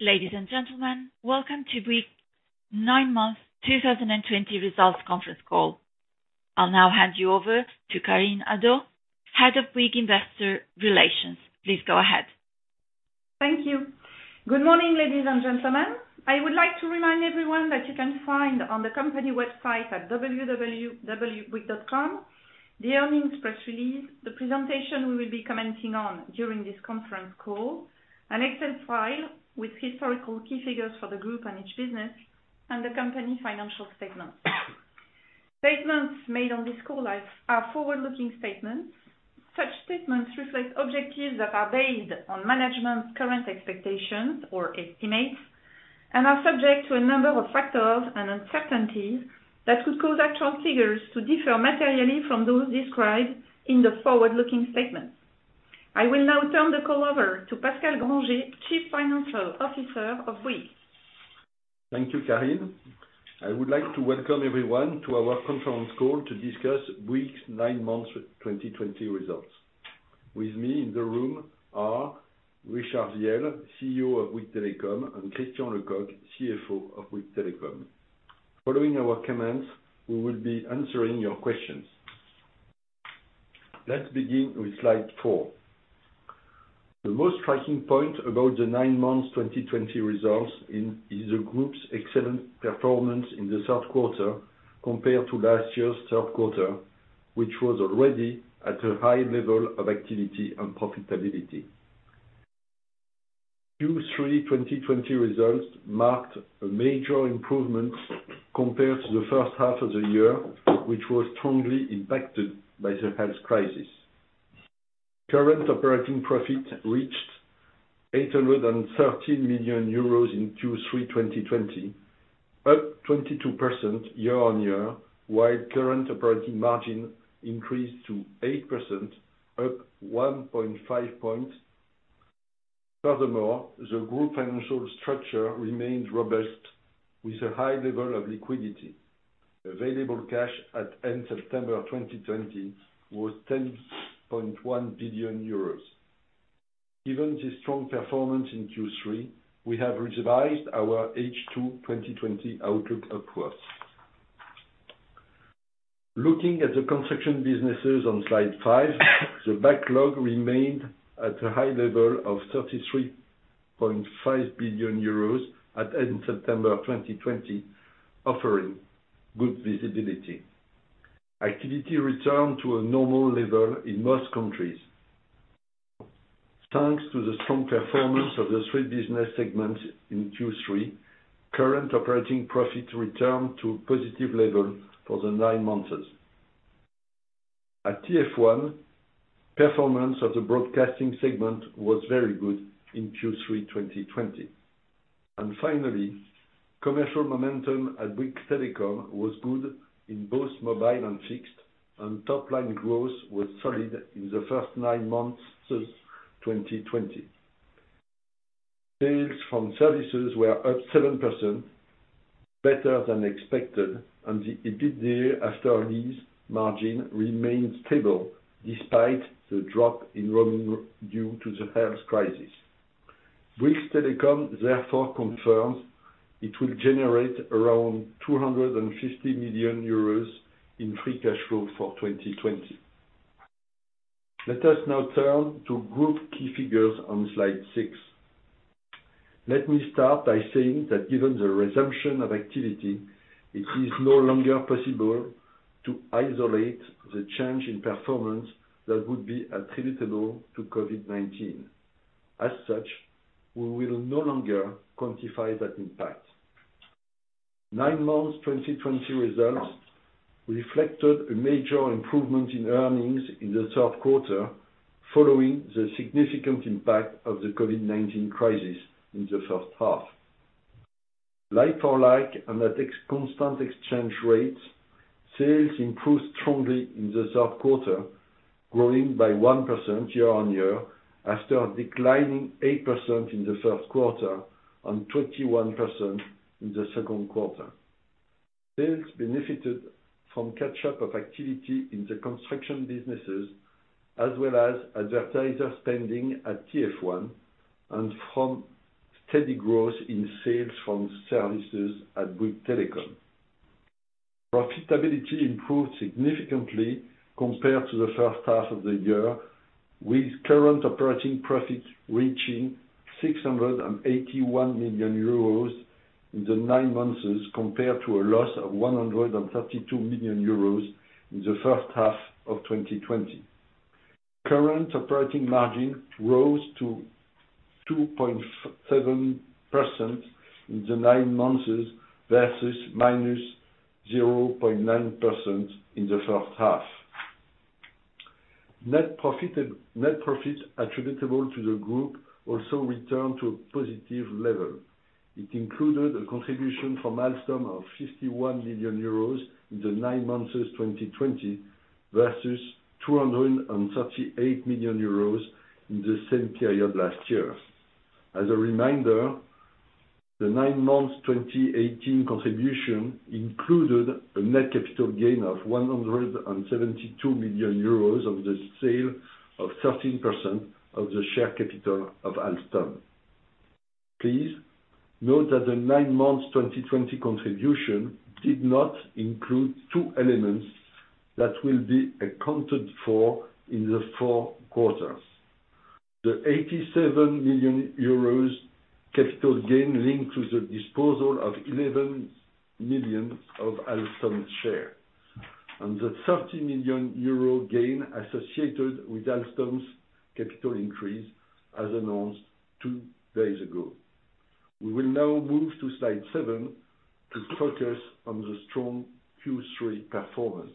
Ladies and gentlemen, welcome to Bouygues nine months 2020 results conference call. I will now hand you over to Karine Adam, Head of Bouygues Investor Relations. Please go ahead. Thank you. Good morning, ladies and gentlemen. I would like to remind everyone that you can find on the company website at www.bouygues.com, the earnings press release, the presentation we will be commenting on during this conference call, an Excel file with historical key figures for the group and each business, and the company financial statements. Statements made on this call are forward-looking statements. Such statements reflect objectives that are based on management's current expectations or estimates and are subject to a number of factors and uncertainties that could cause actual figures to differ materially from those described in the forward-looking statements. I will now turn the call over to Pascal Grangé, Chief Financial Officer of Bouygues. Thank you, Karine. I would like to welcome everyone to our conference call to discuss Bouygues' nine months 2020 results. With me in the room are Richard Viel, CEO of Bouygues Telecom, and Christian Lecoq, CFO of Bouygues Telecom. Following our comments, we will be answering your questions. Let's begin with slide four. The most striking point about the nine months 2020 results is the group's excellent performance in the third quarter compared to last year's third quarter, which was already at a high level of activity and profitability. Q3 2020 results marked a major improvement compared to the first half of the year, which was strongly impacted by the health crisis. Current operating profit reached 813 million euros in Q3 2020, up 22% year-on-year, while current operating margin increased to 8%, up 1.5 points. Furthermore, the group financial structure remains robust with a high level of liquidity. Available cash at end September 2020 was 10.1 billion euros. Given the strong performance in Q3, we have revised our H2 2020 outlook upwards. Looking at the construction businesses on slide five, the backlog remained at a high level of 33.5 billion euros at end September 2020, offering good visibility. Activity returned to a normal level in most countries. Thanks to the strong performance of the three business segments in Q3, current operating profit returned to a positive level for the nine months. At TF1, performance of the broadcasting segment was very good in Q3 2020. Finally, commercial momentum at Bouygues Telecom was good in both mobile and fixed, and top-line growth was solid in the first nine months 2020. Sales from services were up 7%, better than expected, and the EBITDA after leases margin remained stable despite the drop in roaming due to the health crisis. Bouygues Telecom, therefore confirms it will generate around 250 million euros in free cash flow for 2020. Let us now turn to group key figures on slide six. Let me start by saying that given the resumption of activity, it is no longer possible to isolate the change in performance that would be attributable to COVID-19. As such, we will no longer quantify that impact. Nine months 2020 results reflected a major improvement in earnings in the third quarter, following the significant impact of the COVID-19 crisis in the first half. Like-for-like and at constant exchange rates, sales improved strongly in the third quarter, growing by 1% year-on-year, after declining 8% in the first quarter and 21% in the second quarter. Sales benefited from catch-up of activity in the construction businesses, as well as advertiser spending at TF1 and from steady growth in sales from services at Bouygues Telecom. Profitability improved significantly compared to the first half of the year, with current operating profit reaching 681 million euros in the nine months compared to a loss of 132 million euros in the first half of 2020. Current operating margin rose to 2.7% in the nine months versus -0.9% in the first half. Net profits attributable to the group also returned to a positive level. It included a contribution from Alstom of 51 million euros in the nine months of 2020 versus 238 million euros in the same period last year. As a reminder. The nine months 2018 contribution included a net capital gain of 172 million euros of the sale of 13% of the share capital of Alstom. Please note that the nine months 2020 contribution did not include two elements that will be accounted for in the fourth quarter. The 87 million euros capital gain linked to the disposal of 11 million of Alstom share, and the 30 million euro gain associated with Alstom's capital increase, as announced two days ago. We will now move to slide seven to focus on the strong Q3 performance.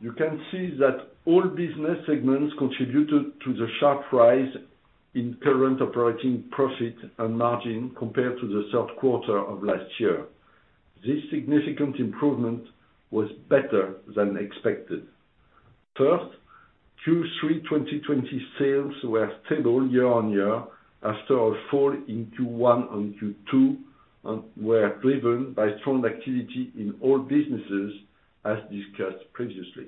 You can see that all business segments contributed to the sharp rise in current operating profit and margin compared to the third quarter of last year. This significant improvement was better than expected. First, Q3 2020 sales were stable year-on-year after a fall in Q1 and Q2, and were driven by strong activity in all businesses, as discussed previously.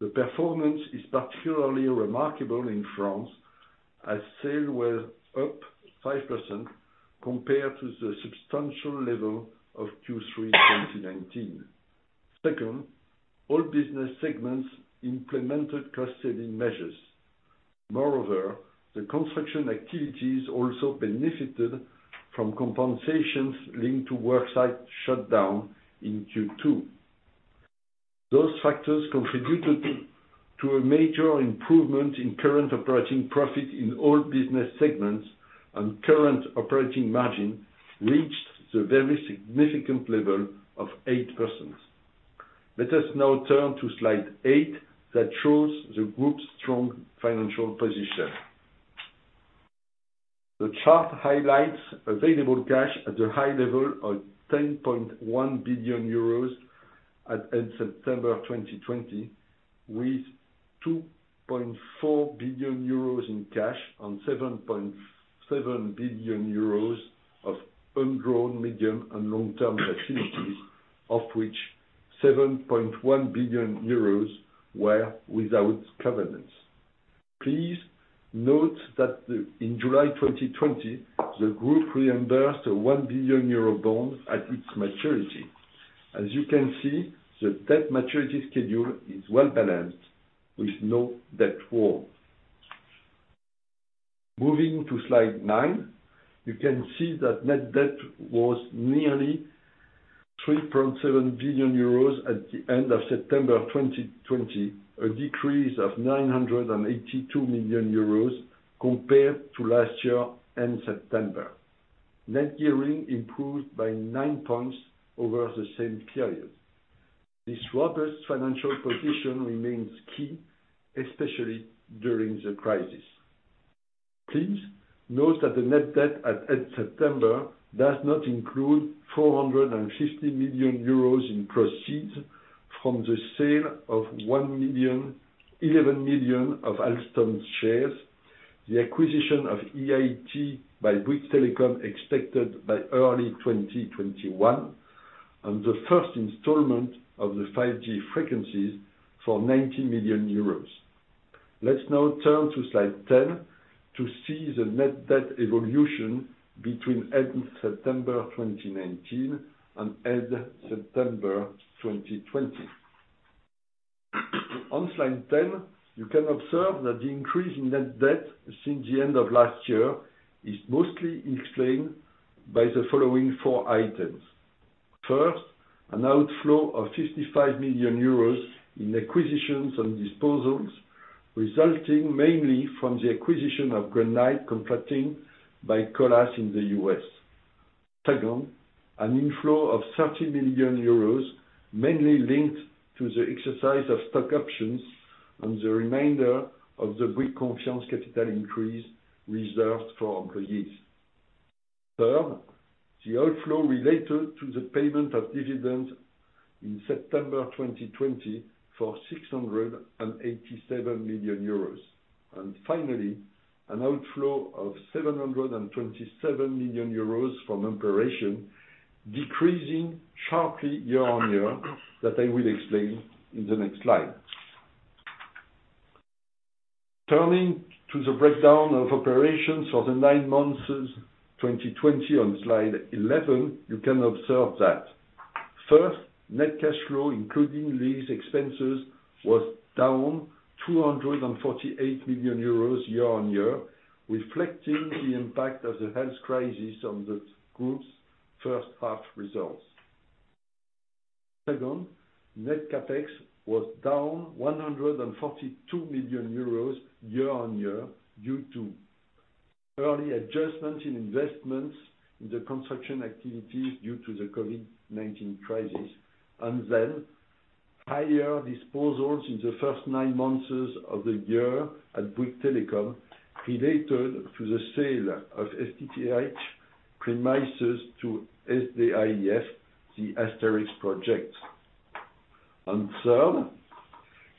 The performance is particularly remarkable in France, as sales were up 5% compared to the substantial level of Q3 2019. Second, all business segments implemented cost-saving measures. Moreover, the construction activities also benefited from compensations linked to work site shutdown in Q2. Those factors contributed to a major improvement in current operating profit in all business segments and current operating margin reached the very significant level of 8%. Let us now turn to slide eight that shows the group's strong financial position. The chart highlights available cash at the high level of 10.1 billion euros at September 2020, with 2.4 billion euros in cash and 7.7 billion euros of undrawn medium and long-term facilities, of which 7.1 billion euros were without covenants. Please note that in July 2020, the group reimbursed a 1 billion euro bond at its maturity. As you can see, the debt maturity schedule is well-balanced with no debt wall. Moving to slide nine, you can see that net debt was nearly 3.7 billion euros at the end of September 2020, a decrease of 982 million euros compared to last year end September. Net gearing improved by nine points over the same period. This robust financial position remains key, especially during the crisis. Please note that the net debt at September does not include 450 million euros in proceeds from the sale of 11 million of Alstom shares, the acquisition of Euro-Information Telecom by Bouygues Telecom expected by early 2021, and the first installment of the 5G frequencies for 90 million euros. Let's now turn to slide 10 to see the net debt evolution between end September 2019 and end September 2020. On slide 10, you can observe that the increase in net debt since the end of last year is mostly explained by the following four items. First, an outflow of 55 million euros in acquisitions and disposals, resulting mainly from the acquisition of Granite Contracting by Colas in the U.S. Second, an inflow of 30 million euros, mainly linked to the exercise of stock options and the remainder of the Bouygues Confiance capital increase reserved for employees. Third, the outflow related to the payment of dividends in September 2020 for 687 million euros. Finally, an outflow of 727 million euros from operation, decreasing sharply year-on-year that I will explain in the next slide. Turning to the breakdown of operations for the nine months of 2020 on slide 11, you can observe that. First, net cash flow, including lease expenses, was down 248 million euros year-on-year, reflecting the impact of the health crisis on the group's first half results. Second, net CapEx was down 142 million euros year-on-year due to early adjustments in investments in the construction activities due to the COVID-19 crisis, and then higher disposals in the first nine months of the year at Bouygues Telecom related to the sale of FTTH premises to SDAIF, the Asterix project. Third,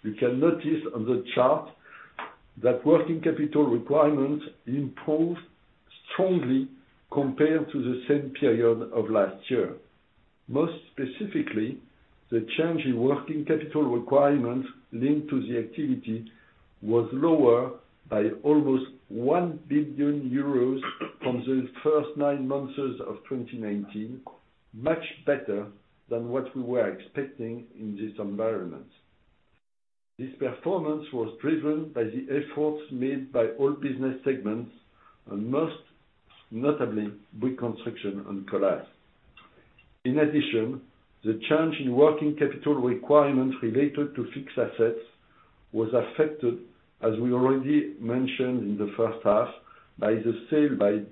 you can notice on the chart that working capital requirements improved strongly compared to the same period of last year. Most specifically, the change in working capital requirements linked to the activity was lower by almost 1 billion euros from the first nine months of 2019, much better than what we were expecting in this environment. This performance was driven by the efforts made by all business segments, and most notably Bouygues Construction and Colas. In addition, the change in working capital requirements related to fixed assets was affected, as we already mentioned in the first half, by the sale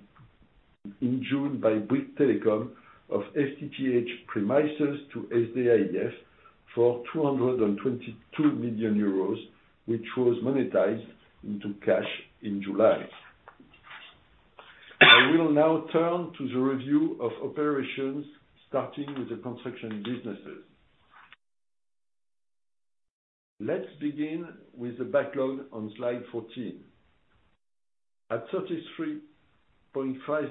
in June by Bouygues Telecom of FTTH premises to SDAIF for 222 million euros, which was monetized into cash in July. I will now turn to the review of operations, starting with the construction businesses. Let's begin with the backlog on slide 14. At 33.5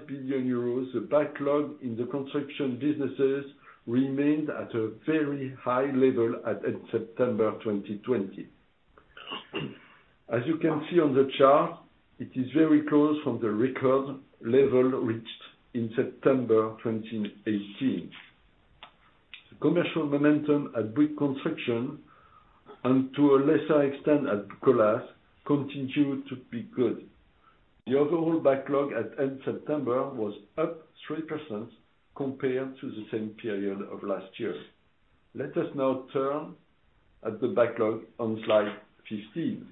billion euros, the backlog in the construction businesses remained at a very high level at September 2020. As you can see on the chart, it is very close from the record level reached in September 2018. The commercial momentum at Bouygues Construction, and to a lesser extent at Colas, continued to be good. The overall backlog at end September was up 3% compared to the same period of last year. Let us now turn at the backlog on slide 15.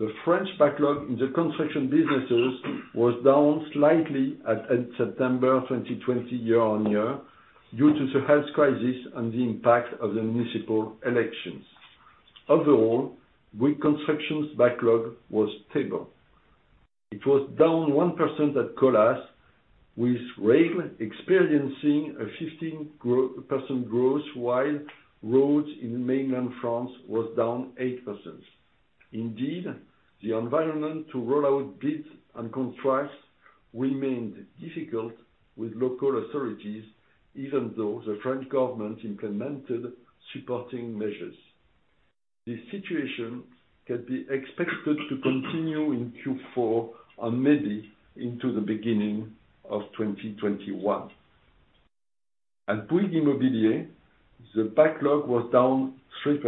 The French backlog in the construction businesses was down slightly at end September 2020 year-on-year due to the health crisis and the impact of the municipal elections. Overall, Bouygues Construction's backlog was stable. It was down 1% at Colas, with rail experiencing a 15% growth, while roads in mainland France was down 8%. The environment to roll out bids and contracts remained difficult with local authorities, even though the French government implemented supporting measures. This situation can be expected to continue in Q4 and maybe into the beginning of 2021. At Bouygues Immobilier, the backlog was down 3%.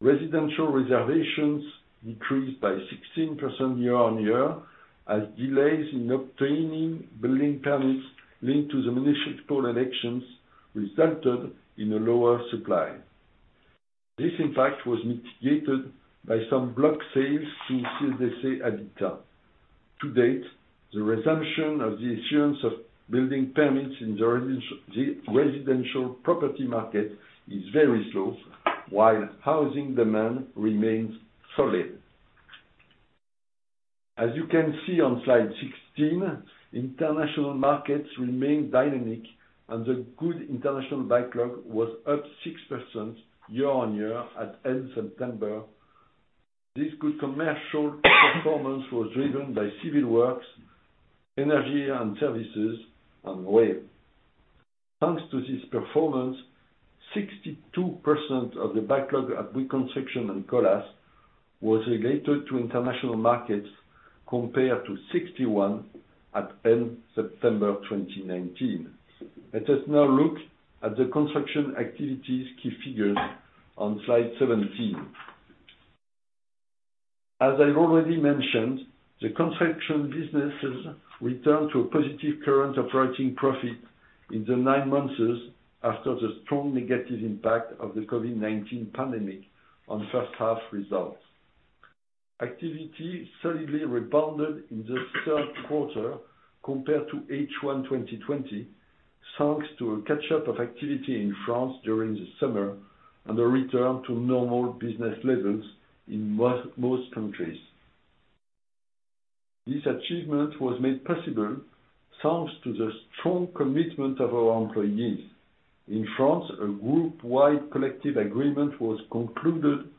Residential reservations decreased by 16% year-on-year, as delays in obtaining building permits linked to the municipal elections resulted in a lower supply. This, in fact, was mitigated by some block sales through CDC Habitat. To date, the resumption of the issuance of building permits in the residential property market is very slow, while housing demand remains solid. As you can see on slide 16, international markets remain dynamic, and the good international backlog was up 6% year-on-year at end September. This good commercial performance was driven by civil works, Energies & Services, and rail. Thanks to this performance, 62% of the backlog at Bouygues Construction and Colas was related to international markets, compared to 61% at end September 2019. Let us now look at the construction activities' key figures on slide 17. As I already mentioned, the construction businesses returned to a positive current operating profit in the nine months after the strong negative impact of the COVID-19 pandemic on first half results. Activity solidly rebounded in the third quarter compared to H1 2020, thanks to a catch-up of activity in France during the summer and a return to normal business levels in most countries. This achievement was made possible thanks to the strong commitment of our employees. In France, a group-wide collective agreement was concluded,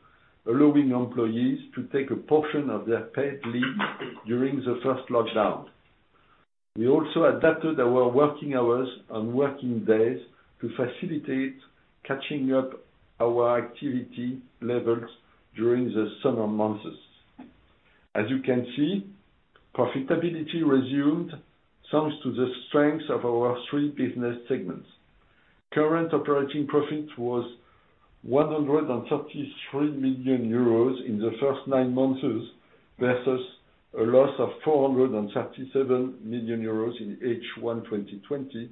allowing employees to take a portion of their paid leave during the first lockdown. We also adapted our working hours and working days to facilitate catching up our activity levels during the summer months. As you can see, profitability resumed thanks to the strength of our three business segments. Current operating profit was 133 million euros in the first nine months versus a loss of 437 million euros in H1 2020,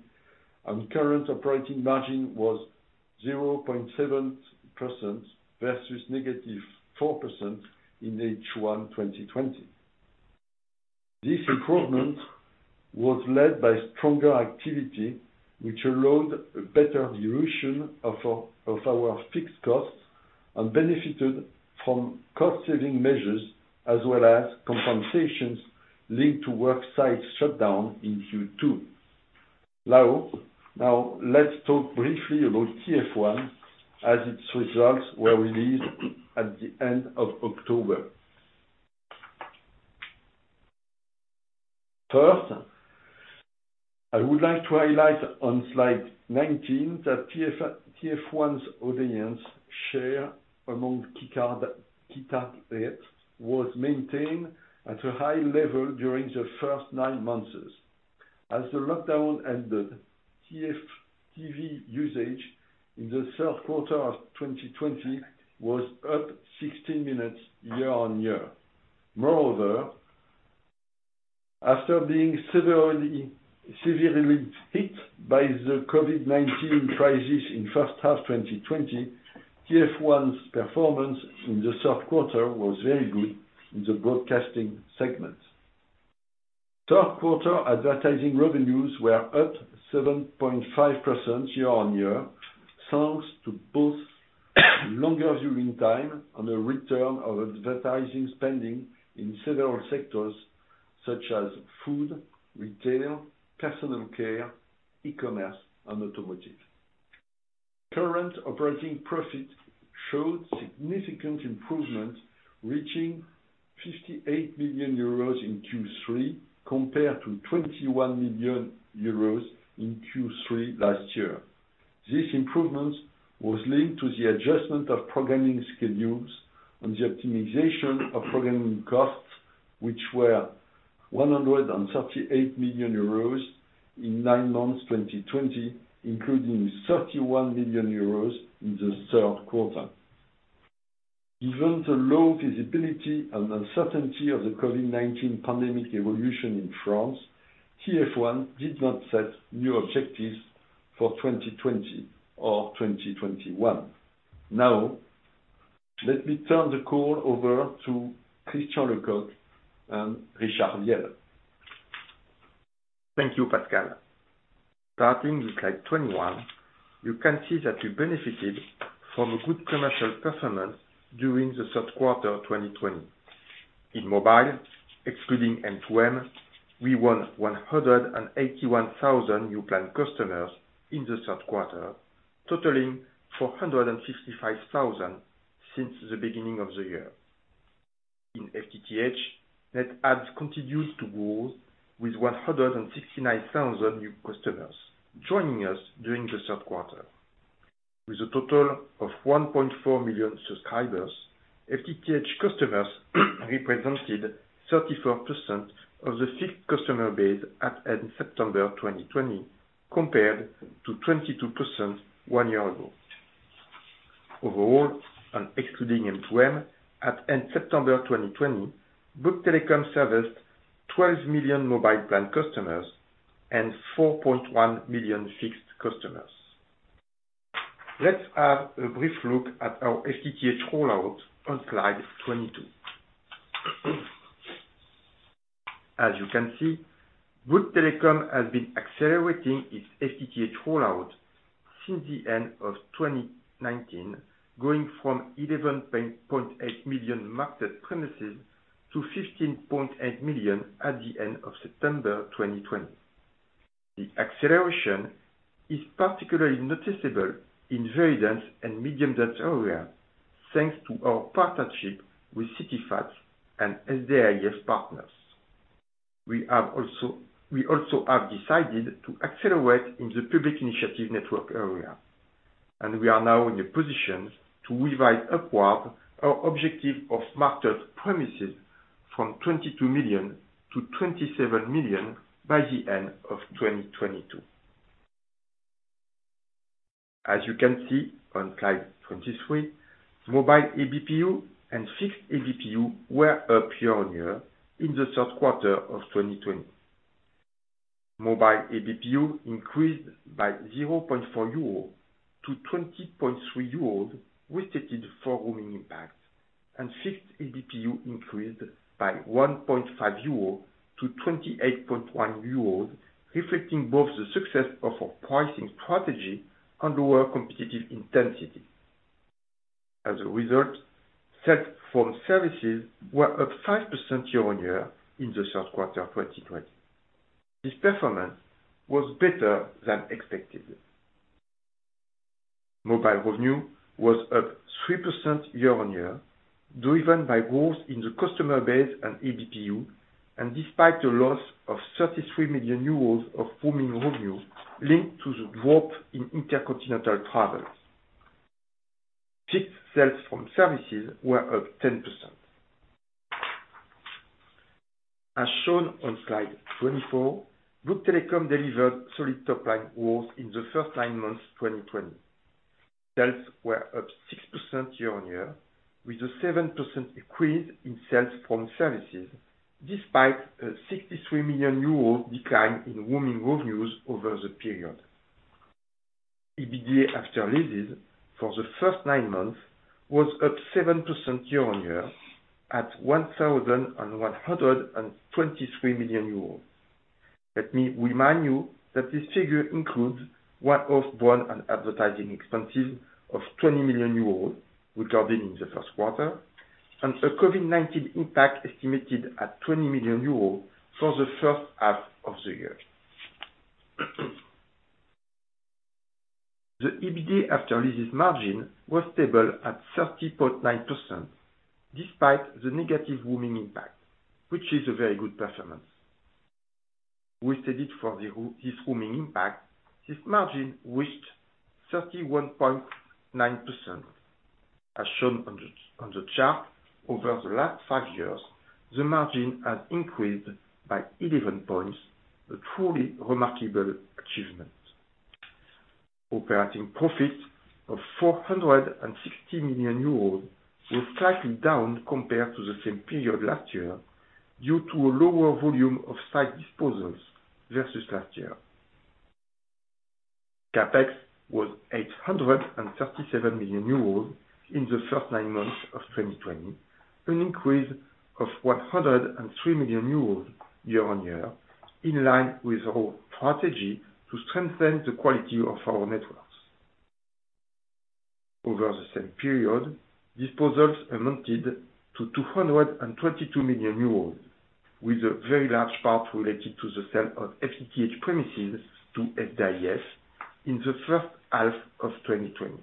and current operating margin was 0.7% versus negative 4% in H1 2020. This improvement was led by stronger activity, which allowed a better dilution of our fixed costs. Benefited from cost saving measures as well as compensations linked to work site shutdown in Q2. Let's talk briefly about TF1 as its results were released at the end of October. First, I would like to highlight on slide 19 that TF1's audience share among key targets was maintained at a high level during the first nine months. As the lockdown ended, TF1 TV usage in the third quarter of 2020 was up 16 minutes year-on-year. After being severely hit by the COVID-19 crisis in first half 2020, TF1's performance in the third quarter was very good in the broadcasting segment. Third quarter advertising revenues were up 7.5% year-on-year, thanks to both longer viewing time and a return of advertising spending in several sectors such as food, retail, personal care, e-commerce and automotive. Current operating profit showed significant improvement, reaching 58 million euros in Q3, compared to 21 million euros in Q3 last year. This improvement was linked to the adjustment of programming schedules and the optimization of programming costs, which were 138 million euros in nine months 2020, including 31 million euros in the third quarter. Given the low visibility and uncertainty of the COVID-19 pandemic evolution in France, TF1 did not set new objectives for 2020 or 2021. Let me turn the call over to Christian Lecoq and Richard Viel. Thank you, Pascal. Starting with slide 21, you can see that we benefited from a good commercial performance during the third quarter 2020. In mobile, excluding M2M, we won 181,000 new plan customers in the third quarter, totaling 465,000 since the beginning of the year. In FTTH, net adds continued to grow with 169,000 new customers joining us during the third quarter. With a total of 1.4 million subscribers, FTTH customers represented 34% of the fixed customer base at end September 2020, compared to 22% one year ago. Overall, excluding M2M, at end September 2020, Bouygues Telecom serviced 12 million mobile plan customers and 4.1 million fixed customers. Let's have a brief look at our FTTH rollout on slide 22. As you can see, Bouygues Telecom has been accelerating its FTTH rollout since the end of 2019, going from 11.8 million marketed premises to 15.8 million at the end of September 2020. The acceleration is particularly noticeable in very dense and medium dense areas, thanks to our partnership with CityFast and SDAIF partners. We also have decided to accelerate in the Public Initiative Network area, and we are now in a position to revise upward our objective of marketed premises from 22 million to 27 million by the end of 2022. As you can see on slide 23, mobile ABPU and fixed ABPU were up year on year in the third quarter of 2020. Mobile ABPU increased by 0.4 euro to 20.3 euros, restated for roaming impacts, and fixed ABPU increased by 1.5 euro to 28.1 euros, reflecting both the success of our pricing strategy and lower competitive intensity. As a result, sales from services were up 5% year-on-year in the third quarter 2020. This performance was better than expected. Mobile revenue was up 3% year-on-year, driven by growth in the customer base and ABPU, and despite a loss of 33 million euros of roaming revenue linked to the drop in intercontinental travels. Fixed sales from services were up 10%. As shown on slide 24, Bouygues Telecom delivered solid top line growth in the first nine months 2020. Sales were up 6% year-on-year, with a 7% increase in sales from services, despite a 63 million euro decline in roaming revenues over the period. EBITDA after leases for the first nine months was up 7% year-on-year at 1,123 million euros. Let me remind you that this figure includes one-off brand and advertising expenses of 20 million euros recorded in the first quarter and a COVID-19 impact estimated at 20 million euros for the first half of the year. The EBITDA after leases margin was stable at 30.9%, despite the negative roaming impact, which is a very good performance. Corrected for this roaming impact, this margin reached 31.9%. As shown on the chart, over the last five years, the margin has increased by 11 points, a truly remarkable achievement. Operating profit of 460 million euros was slightly down compared to the same period last year due to a lower volume of site disposals versus last year. CapEx was 837 million euros in the first nine months of 2020, an increase of 103 million euros year-on-year, in line with our strategy to strengthen the quality of our networks. Over the same period, disposals amounted to 222 million euros, with a very large part related to the sale of FTTH premises to SDAIF in the first half of 2020.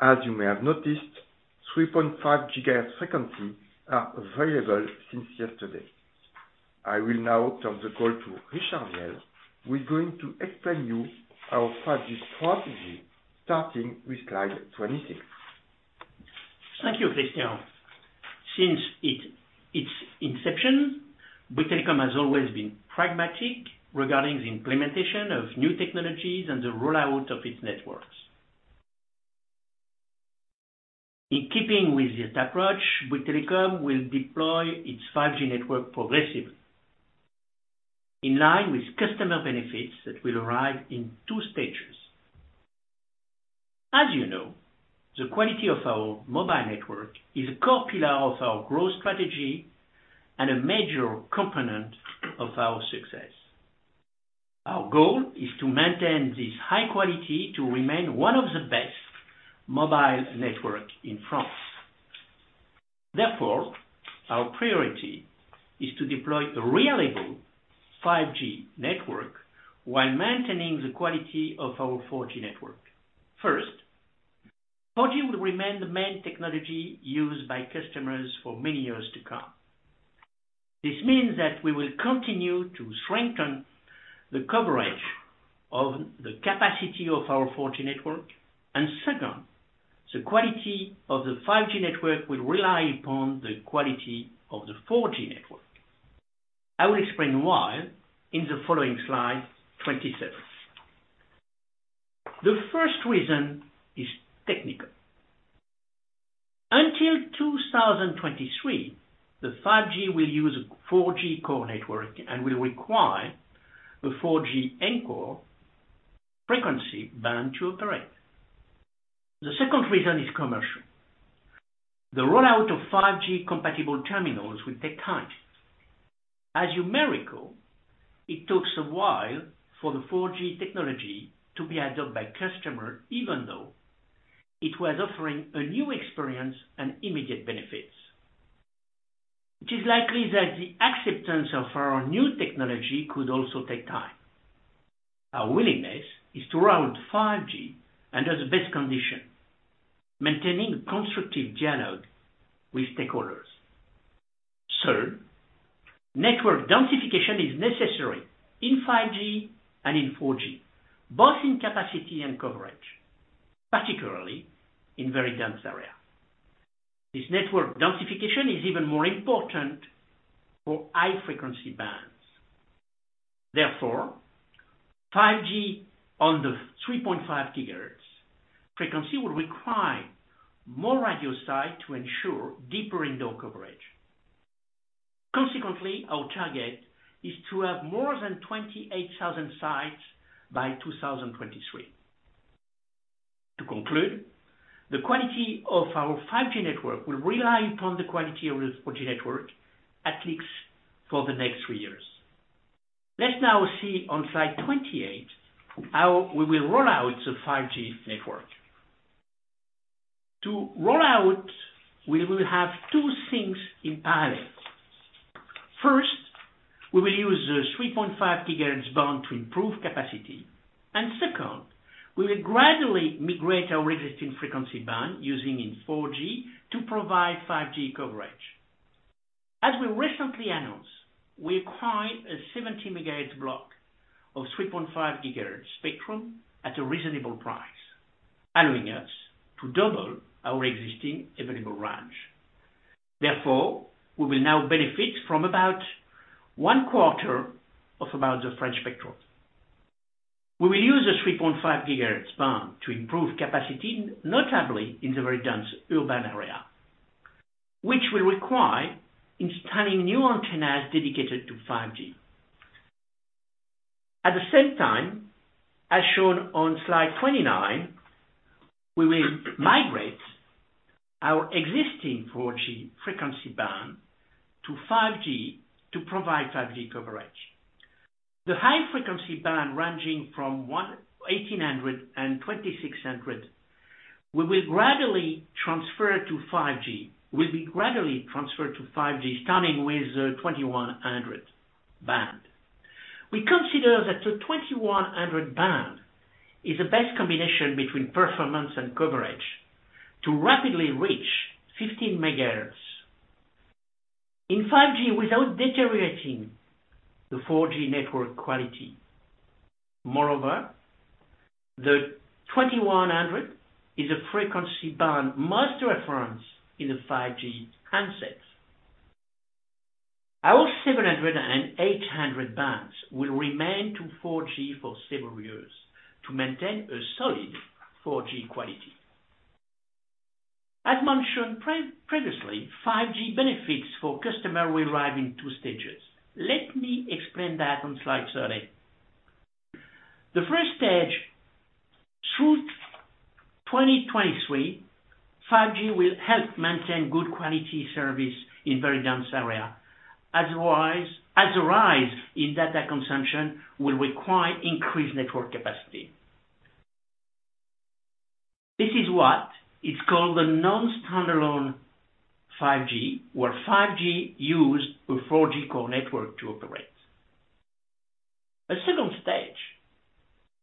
As you may have noticed, 3.5 GHz frequency are available since yesterday. I will now turn the call to Richard Viel, who is going to explain you our 5G strategy, starting with slide 26. Thank you, Christian. Since its inception, Bouygues Telecom has always been pragmatic regarding the implementation of new technologies and the rollout of its networks. In keeping with this approach, Bouygues Telecom will deploy its 5G network progressively, in line with customer benefits that will arrive in two stages. As you know, the quality of our mobile network is a core pillar of our growth strategy and a major component of our success. Our goal is to maintain this high quality to remain one of the best mobile network in France. Therefore, our priority is to deploy a reliable 5G network while maintaining the quality of our 4G network. First, 4G will remain the main technology used by customers for many years to come. This means that we will continue to strengthen the coverage of the capacity of our 4G network. Second, the quality of the 5G network will rely upon the quality of the 4G network. I will explain why in the following slide, 27. The first reason is technical. Until 2023, the 5G will use 4G core network and will require a 4G anchor frequency band to operate. The second reason is commercial. The rollout of 5G-compatible terminals will take time. As you may recall, it took some while for the 4G technology to be adopted by customer, even though it was offering a new experience and immediate benefits. It is likely that the acceptance of our new technology could also take time. Our willingness is to roll out 5G under the best condition, maintaining a constructive dialogue with stakeholders. Third, network densification is necessary in 5G and in 4G, both in capacity and coverage, particularly in very dense area. This network densification is even more important for high-frequency bands. 5G on the 3.5 GHz frequency will require more radio sites to ensure deeper indoor coverage. Our target is to have more than 28,000 sites by 2023. To conclude, the quality of our 5G network will rely upon the quality of our 4G network, at least for the next three years. Let's now see on slide 28 how we will roll out the 5G network. To roll out, we will have two things in parallel. First, we will use the 3.5 GHz band to improve capacity, and second, we will gradually migrate our existing frequency band using in 4G to provide 5G coverage. As we recently announced, we acquired a 70 MHz block of 3.5 GHz spectrum at a reasonable price, allowing us to double our existing available range. Therefore, we will now benefit from about one quarter of about the French spectrum. We will use the 3.5 GHz band to improve capacity, notably in the very dense urban area, which will require installing new antennas dedicated to 5G. At the same time, as shown on slide 29, we will migrate our existing 4G frequency band to 5G to provide 5G coverage. The high-frequency band ranging from 1,800 MHz and 2,600 MHz will be gradually transferred to 5G starting with the 2,100 MHz band. We consider that the 2,100 band is the best combination between performance and coverage to rapidly reach 15 megahertz in 5G without deteriorating the 4G network quality. Moreover, the 2,100 MHz is a frequency band most referenced in the 5G handsets. Our 700 MHz and 800 MHz bands will remain to 4G for several years to maintain a solid 4G quality. As mentioned previously, 5G benefits for customer will arrive in two stages. Let me explain that on slide 30. The first stage, through 2023, 5G will help maintain good quality service in very dense area. As a rise in data consumption will require increased network capacity. This is what is called the non-standalone 5G, where 5G use a 4G core network to operate. A second stage,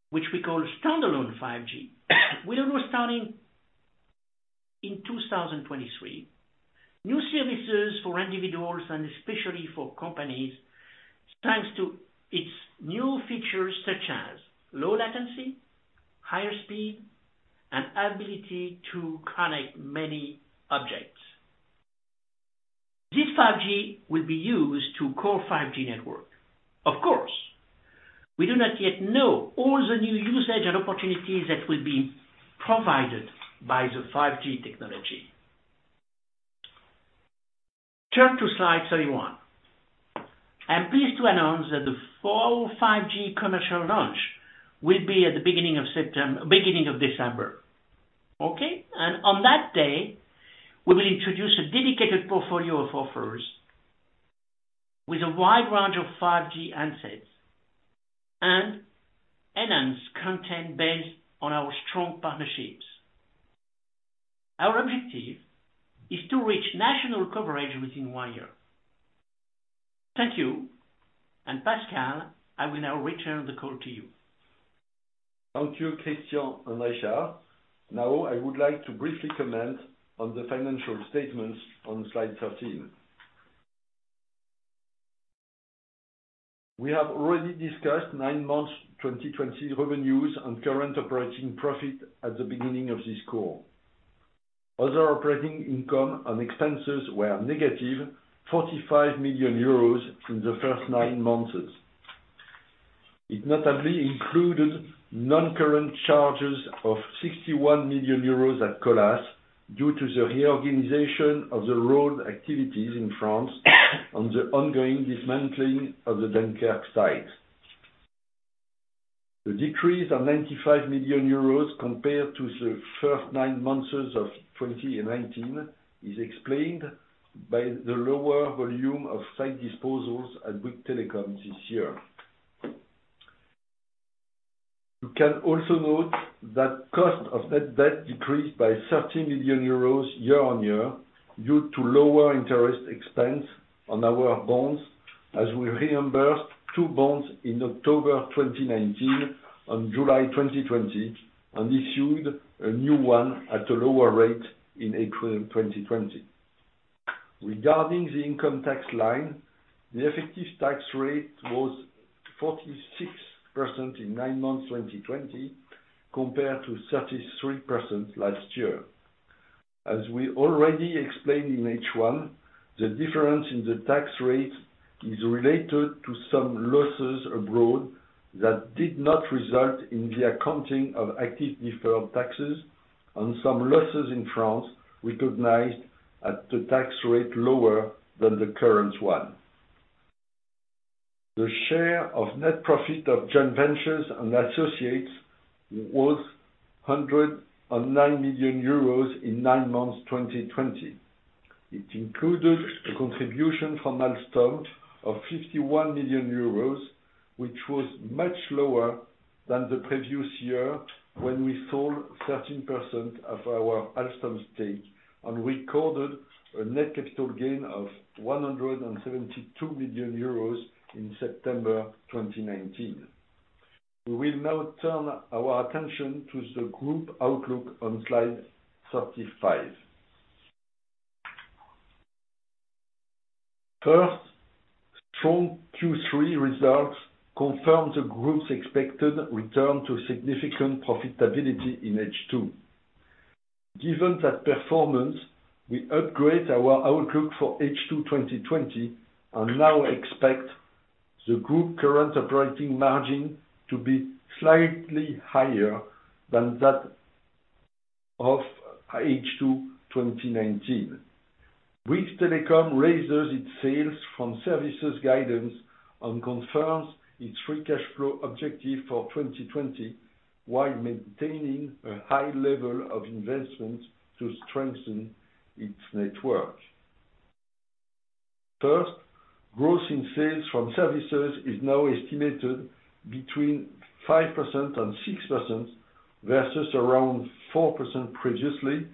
which we call standalone 5G, will be starting in 2023. New services for individuals, and especially for companies, thanks to its new features such as low latency, higher speed, and ability to connect many objects. This 5G will be used to core 5G network. Of course, we do not yet know all the new usage and opportunities that will be provided by the 5G technology. Turn to slide 31. I'm pleased to announce that the full 5G commercial launch will be at the beginning of December. Okay. On that day, we will introduce a dedicated portfolio of offers with a wide range of 5G handsets and enhanced content based on our strong partnerships. Our objective is to reach national coverage within one year. Thank you. Pascal, I will now return the call to you. Thank you, Christian and Richard. I would like to briefly comment on the financial statements on slide 13. We have already discussed nine months 2020 revenues and current operating profit at the beginning of this call. Other operating income and expenses were negative 45 million euros in the first nine months. It notably included non-current charges of 61 million euros at Colas due to the reorganization of the road activities in France and the ongoing dismantling of the Dunkirk site. The decrease of 95 million euros compared to the first nine months of 2019 is explained by the lower volume of site disposals at Bouygues Telecom this year. You can also note that cost of net debt decreased by 30 million euros year on year due to lower interest expense on our bonds, as we reimbursed two bonds in October 2019 and July 2020 and issued a new one at a lower rate in April 2020. Regarding the income tax line, the effective tax rate was 46% in nine months 2020 compared to 33% last year. As we already explained in H1, the difference in the tax rate is related to some losses abroad that did not result in the accounting of active deferred taxes on some losses in France recognized at the tax rate lower than the current one. The share of net profit of joint ventures and associates was 109 million euros in nine months 2020. It included a contribution from Alstom of 51 million euros, which was much lower than the previous year when we sold 13% of our Alstom stake and recorded a net capital gain of 172 million euros in September 2019. We will now turn our attention to the group outlook on slide 35. First, strong Q3 results confirm the group's expected return to significant profitability in H2. Given that performance, we upgrade our outlook for H2 2020 and now expect the group current operating margin to be slightly higher than that of H2 2019. Bouygues Telecom raises its sales from services guidance and confirms its free cash flow objective for 2020, while maintaining a high level of investment to strengthen its network. First, growth in sales from services is now estimated between 5% and 6%, versus around 4% previously,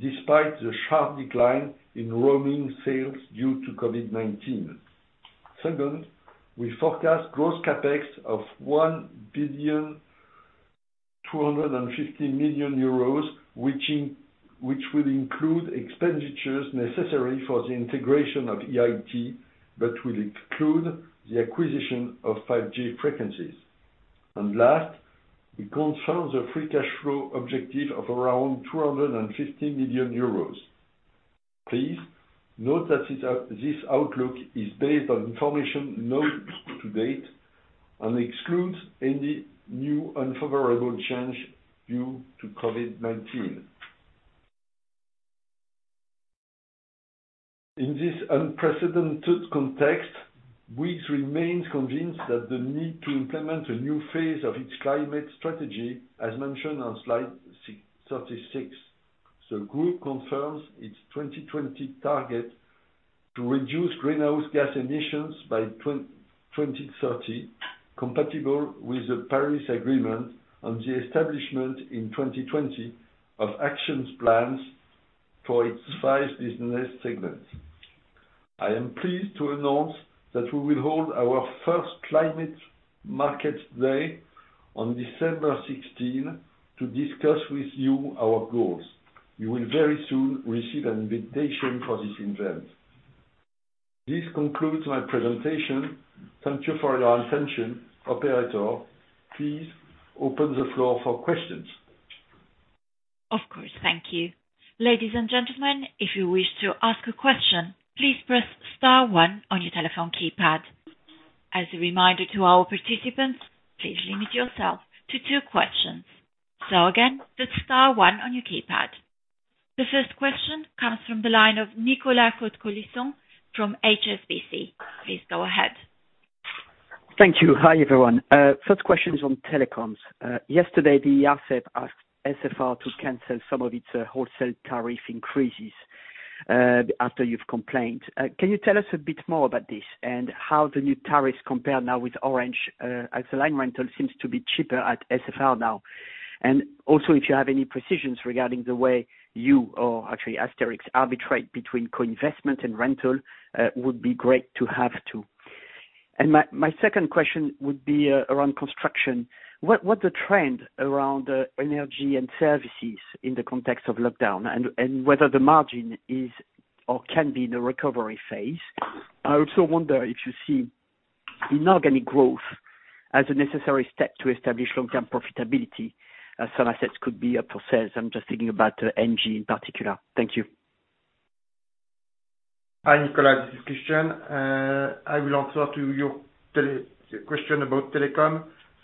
despite the sharp decline in roaming sales due to COVID-19. Second, we forecast gross CapEx of 1,250 million euros, which would include expenditures necessary for the integration of EIT, but will exclude the acquisition of 5G frequencies. Last, we confirm the free cash flow objective of around 250 million euros. Please note that this outlook is based on information known to date and excludes any new unfavorable change due to COVID-19. In this unprecedented context, Bouygues remains convinced that the need to implement a new phase of its climate strategy, as mentioned on slide 36. The group confirms its 2020 target to reduce greenhouse gas emissions by 2030, compatible with the Paris Agreement on the establishment in 2020 of actions plans for its 5 business segments. I am pleased to announce that we will hold our first Climate Markets Day on December 16 to discuss with you our goals. You will very soon receive an invitation for this event. This concludes my presentation. Thank you for your attention. Operator, please open the floor for questions. Of course. Thank you. Ladies and gentlemen, if you wish to ask a question, please press star one on your telephone keypad. As a reminder to our participants, please limit yourself to two questions. Again, that's star one on your keypad. The first question comes from the line of Nicolas Cote-Colisson from HSBC. Please go ahead. Thank you. Hi, everyone. First question is on telecoms. Yesterday, the ARCEP asked SFR to cancel some of its wholesale tariff increases after you've complained. Can you tell us a bit more about this and how the new tariffs compare now with Orange, as the line rental seems to be cheaper at SFR now. Also, if you have any precisions regarding the way you or actually Asterix arbitrate between co-investment and rental, would be great to have too. My second question would be around construction. What the trend around Energies & Services in the context of lockdown and whether the margin is or can be in a recovery phase? I also wonder if you see inorganic growth as a necessary step to establish long-term profitability, as some assets could be up for sale. I'm just thinking about Engie in particular. Thank you. Hi, Nicolas. This is Christian. I will answer to your question about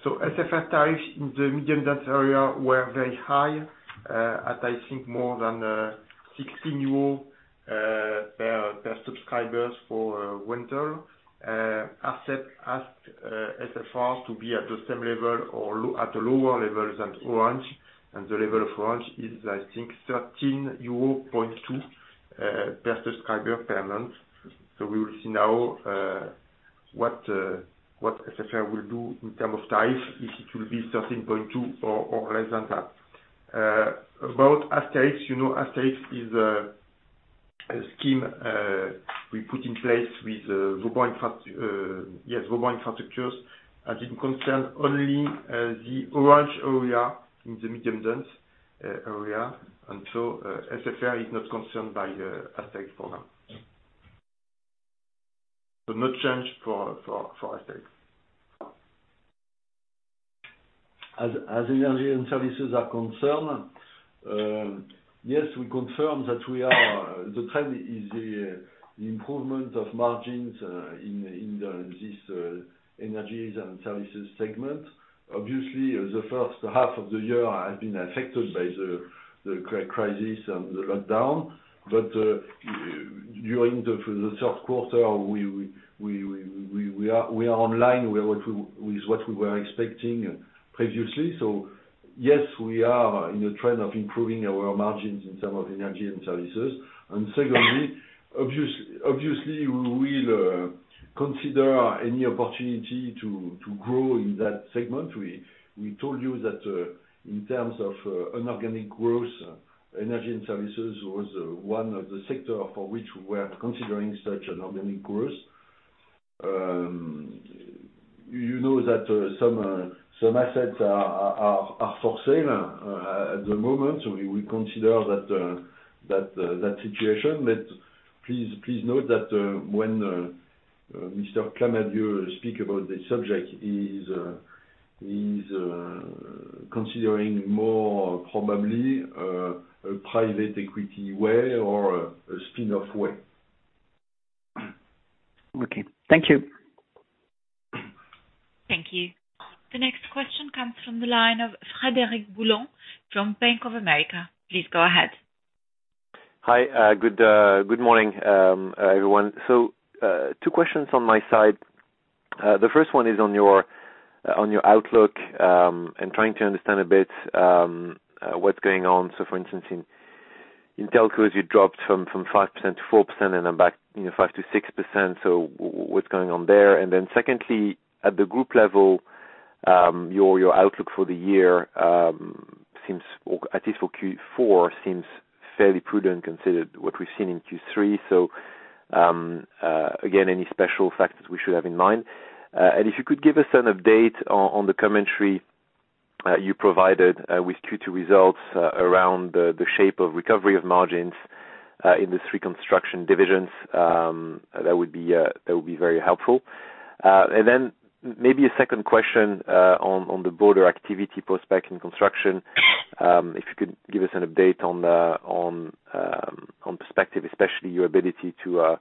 telecom. SFR tariff in the medium dense area were very high, at I think more than 16 euro per subscribers for rental. ARCEP asked SFR to be at the same level or at a lower level than Orange, and the level of Orange is, I think, 13.2 euro per subscriber per month. We will see now what SFR will do in term of tariff, if it will be 13.2 or less than that. About Asterix, you know Asterix is a scheme we put in place with global infrastructures, and it concern only the Orange area in the medium dense area. SFR is not concerned by Asterix for now. No change for Asterix. As Energies & Services are concerned, yes, we confirm that the trend is the improvement of margins in this Energies & Services segment. Obviously, the first half of the year has been affected by the crisis and the lockdown. During the third quarter, we are online with what we were expecting previously. Yes, we are in a trend of improving our margins in term of Energy & Services. Secondly, obviously, we will consider any opportunity to grow in that segment. We told you that in terms of inorganic growth, Energy & Services was one of the sector for which we are considering such inorganic growth. You know that some assets are for sale at the moment. We consider that situation. Please note that when Mr. Clamadieu speak about this subject, he's considering more probably a private equity way or a spin-off way. Okay, thank you. Thank you. The next question comes from the line of Frédéric Boulan from Bank of America Corporation. Please go ahead. Hi. Good morning, everyone. Two questions on my side. The first one is on your outlook, I'm trying to understand a bit what's going on. For instance, in telcos, you dropped from 5% to 4% and are back in 5% to 6%, what's going on there? Secondly, at the group level, your outlook for the year, at least for Q4, seems fairly prudent considered what we've seen in Q3. Again, any special factors we should have in mind? If you could give us an update on the commentary you provided with Q2 results around the shape of recovery of margins in these three construction divisions, that would be very helpful. Maybe a second question on the broader activity prospects in construction. If you could give us an update on perspective, especially your ability to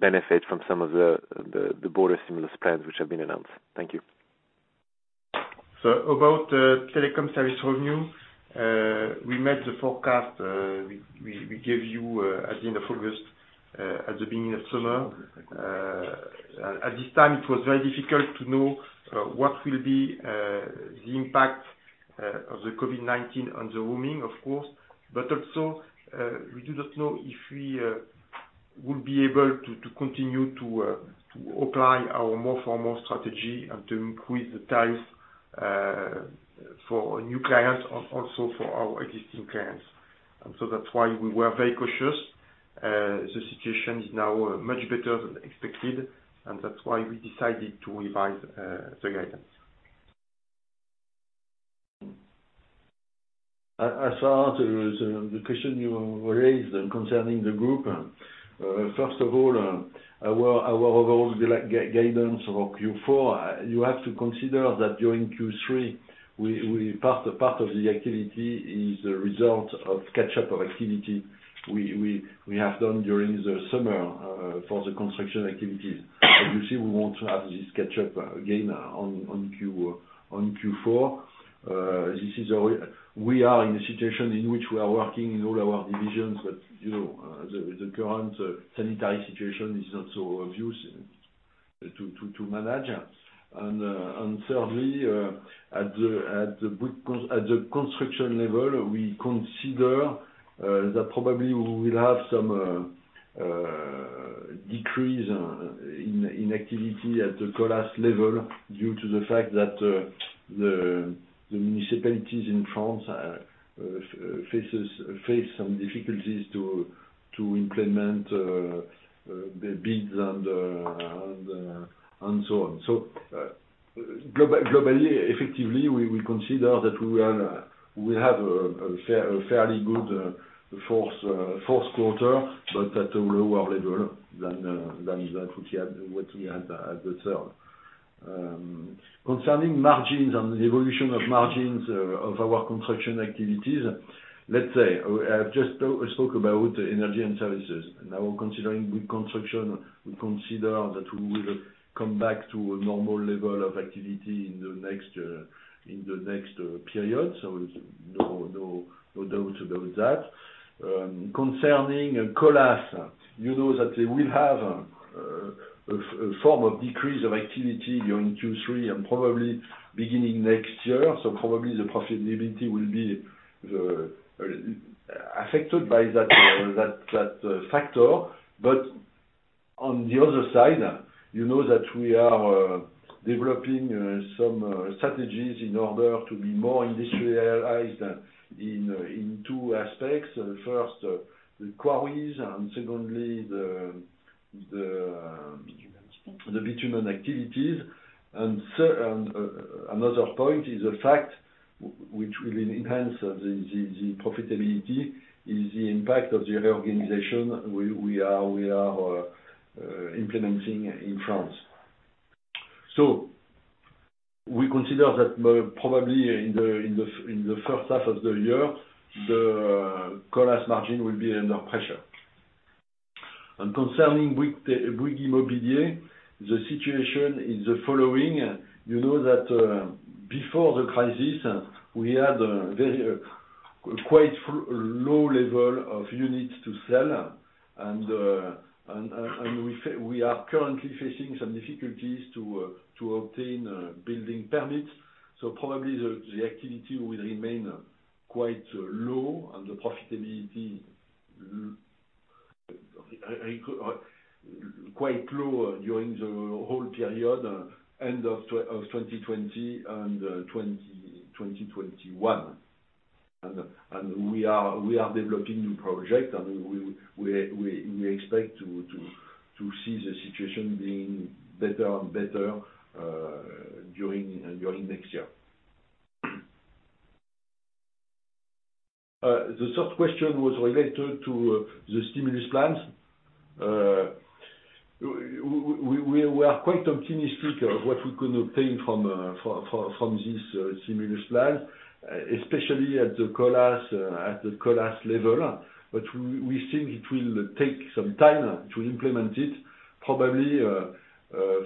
benefit from some of the broader stimulus plans which have been announced. Thank you. About the telecom service revenue, we met the forecast we gave you at the end of August, at the beginning of summer. At this time, it was very difficult to know what will be the impact of the COVID-19 on the roaming, of course, but also, we do not know if we would be able to continue to apply our more for more strategy and to increase the tariffs for new clients and also for our existing clients. That's why we were very cautious. The situation is now much better than expected, and that's why we decided to revise the guidance. As far as the question you raised concerning the group, first of all, our overall guidance for Q4, you have to consider that during Q3, part of the activity is a result of catch-up of activity we have done during the summer for the construction activities. We want to have this catch-up again on Q4. We are in a situation in which we are working in all our divisions, the current sanitary situation is not so obvious to manage. Thirdly, at the construction level, we consider that probably we will have some decrease in activity at the Colas level due to the fact that the municipalities in France face some difficulties to implement the bids and so on. Globally, effectively, we consider that we have a fairly good fourth quarter, but at a lower level than that we had the third. Concerning margins and the evolution of margins of our construction activities, let's say I have just spoke about energy and services. Considering with construction, we consider that we will come back to a normal level of activity in the next period. There's no doubt about that. Concerning Colas, you know that they will have a form of decrease of activity during Q3 and probably beginning next year. Probably the profitability will be affected by that factor. On the other side, you know that we are developing some strategies in order to be more industrialized in two aspects. First, the quarries, and secondly. The bitumen activities. Another point is the fact which will enhance the profitability is the impact of the reorganization we are implementing in France. We consider that probably in the first half of the year, the Colas margin will be under pressure. Concerning Bouygues Immobilier, the situation is the following. You know that before the crisis, we had quite low level of units to sell, and we are currently facing some difficulties to obtain building permits, so probably the activity will remain quite low and the profitability quite low during the whole period end of 2020 and 2021. We are developing new project, and we expect to see the situation being better and better during next year. The third question was related to the stimulus plans. We are quite optimistic of what we can obtain from this stimulus plan, especially at the Colas level. We think it will take some time to implement it, probably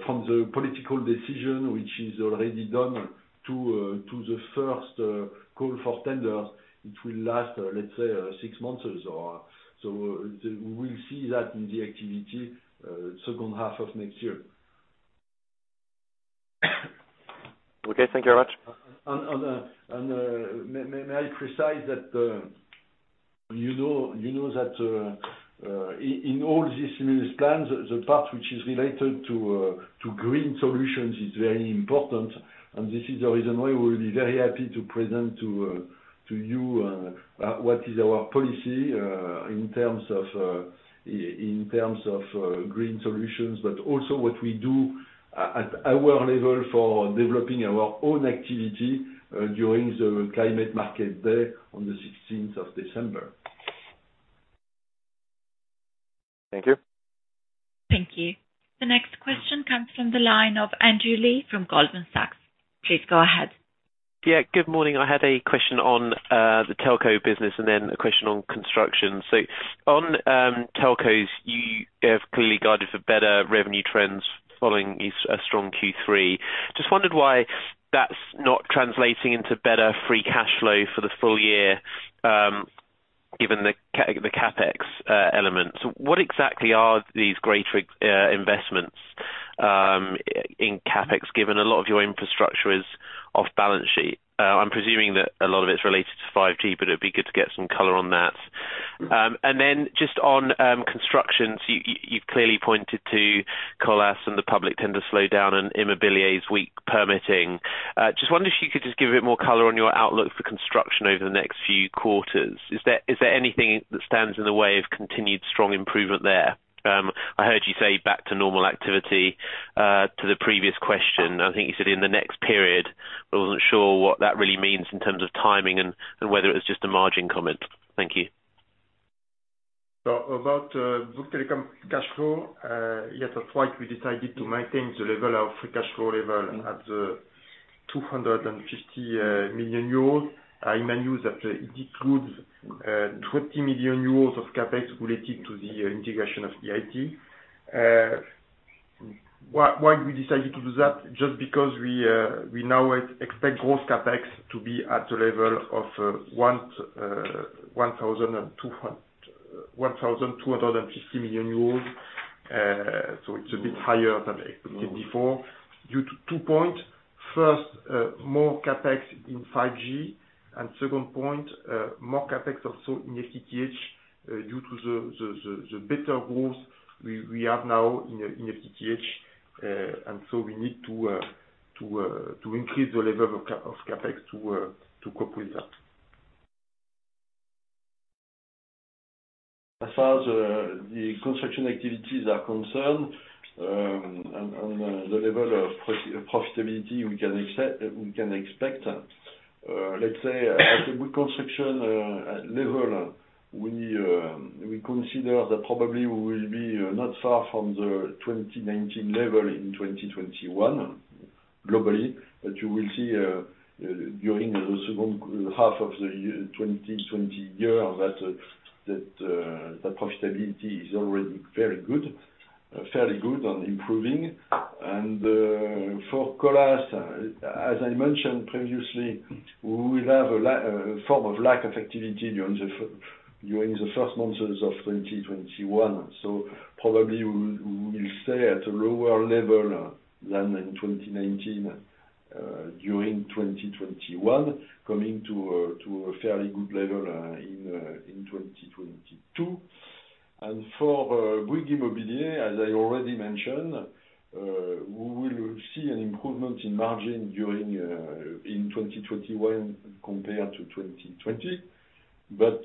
from the political decision, which is already done to the first call for tenders. It will last, let's say six months or so. We will see that in the activity second half of next year. Okay, thank you very much. May I precise that you know that in all these stimulus plans, the part which is related to green solutions is very important. This is the reason why we will be very happy to present to you what is our policy in terms of green solutions, but also what we do at our level for developing our own activity during the Climate Market Day on the 16th of December. Thank you. Thank you. The next question comes from the line of Andrew Lee from Goldman Sachs Group, Inc. Please go ahead. Yeah. Good morning. I had a question on the telco business and then a question on construction. On telcos, you have clearly guided for better revenue trends following a strong Q3. I just wondered why that's not translating into better free cash flow for the full year given the CapEx elements. What exactly are these greater investments in CapEx, given a lot of your infrastructure is off balance sheet? I'm presuming that a lot of it's related to 5G, but it'd be good to get some color on that. Just on construction. You've clearly pointed to Colas and the public tender slowdown and Immobilier's weak permitting. I just wonder if you could just give a bit more color on your outlook for construction over the next few quarters. Is there anything that stands in the way of continued strong improvement there? I heard you say back to normal activity, to the previous question. I think you said in the next period, but I wasn't sure what that really means in terms of timing and whether it was just a margin comment. Thank you. About Bouygues Telecom cash flow. Yes, that's right. We decided to maintain the level of free cash flow at the 250 million euros. I remind you that it includes 20 million euros of CapEx related to the integration of EIT. Why we decided to do that? Just because we now expect gross CapEx to be at the level of 1,250 million euros. It's a bit higher than expected before due to two point. First, more CapEx in 5G, and second point, more CapEx also in FTTH, due to the better growth we have now in FTTH. We need to increase the level of CapEx to cope with that. As far as the construction activities are concerned, and the level of profitability we can expect, let's say at the Bouygues Construction level, we consider that probably we will be not far from the 2019 level in 2021 globally. You will see during the second half of the 2020 year that profitability is already fairly good and improving. For Colas, as I mentioned previously, we will have a form of lack of activity during the first months of 2021. Probably we will stay at a lower level than in 2019, during 2021, coming to a fairly good level in 2022. For Bouygues Immobilier, as I already mentioned, we will see an improvement in margin in 2021 compared to 2020, but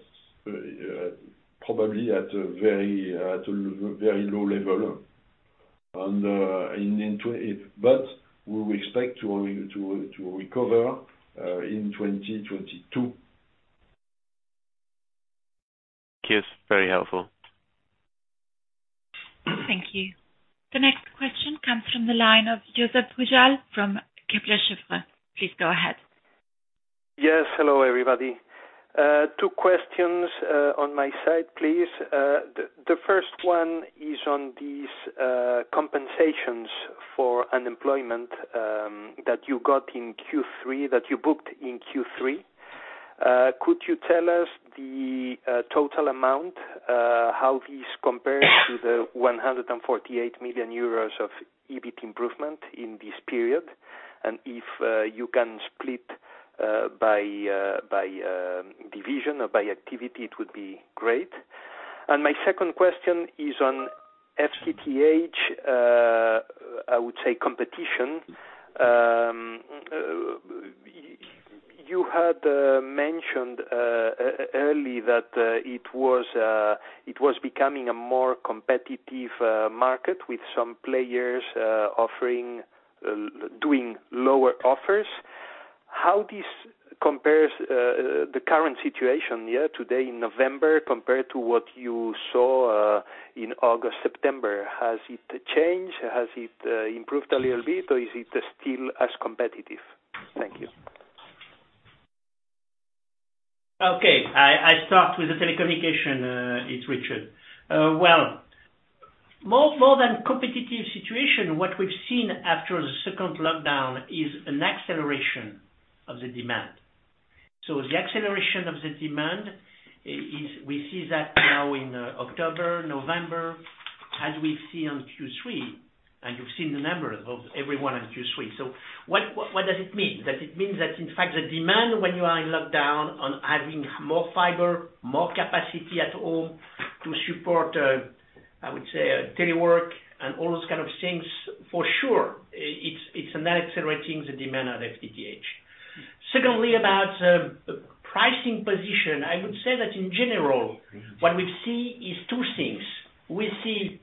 probably at a very low level. We expect to recover in 2022. Yes, very helpful. Thank you. The next question comes from the line of Josep Pujal from Kepler Cheuvreux. Please go ahead. Hello, everybody. Two questions on my side, please. The first one is on these compensations for unemployment that you got in Q3, that you booked in Q3. Could you tell us the total amount, how this compares to the 148 million euros of EBIT improvement in this period? If you can split by division or by activity, it would be great. My second question is on FTTH, I would say competition. You had mentioned early that it was becoming a more competitive market with some players doing lower offers. How this compares the current situation today in November, compared to what you saw in August, September? Has it changed? Has it improved a little bit, or is it still as competitive? Thank you. Okay. I start with the telecommunication. It's Richard. Well, more than competitive situation, what we've seen after the second lockdown is an acceleration of the demand. The acceleration of the demand, we see that now in October, November, as we see on Q3, and you've seen the numbers of everyone on Q3. What does it mean? It means that in fact, the demand when you are in lockdown on adding more fiber, more capacity at home to support, I would say, telework and all those kind of things, for sure, it's now accelerating the demand on FTTH. Secondly, about pricing position, I would say that in general, what we see is two things. We see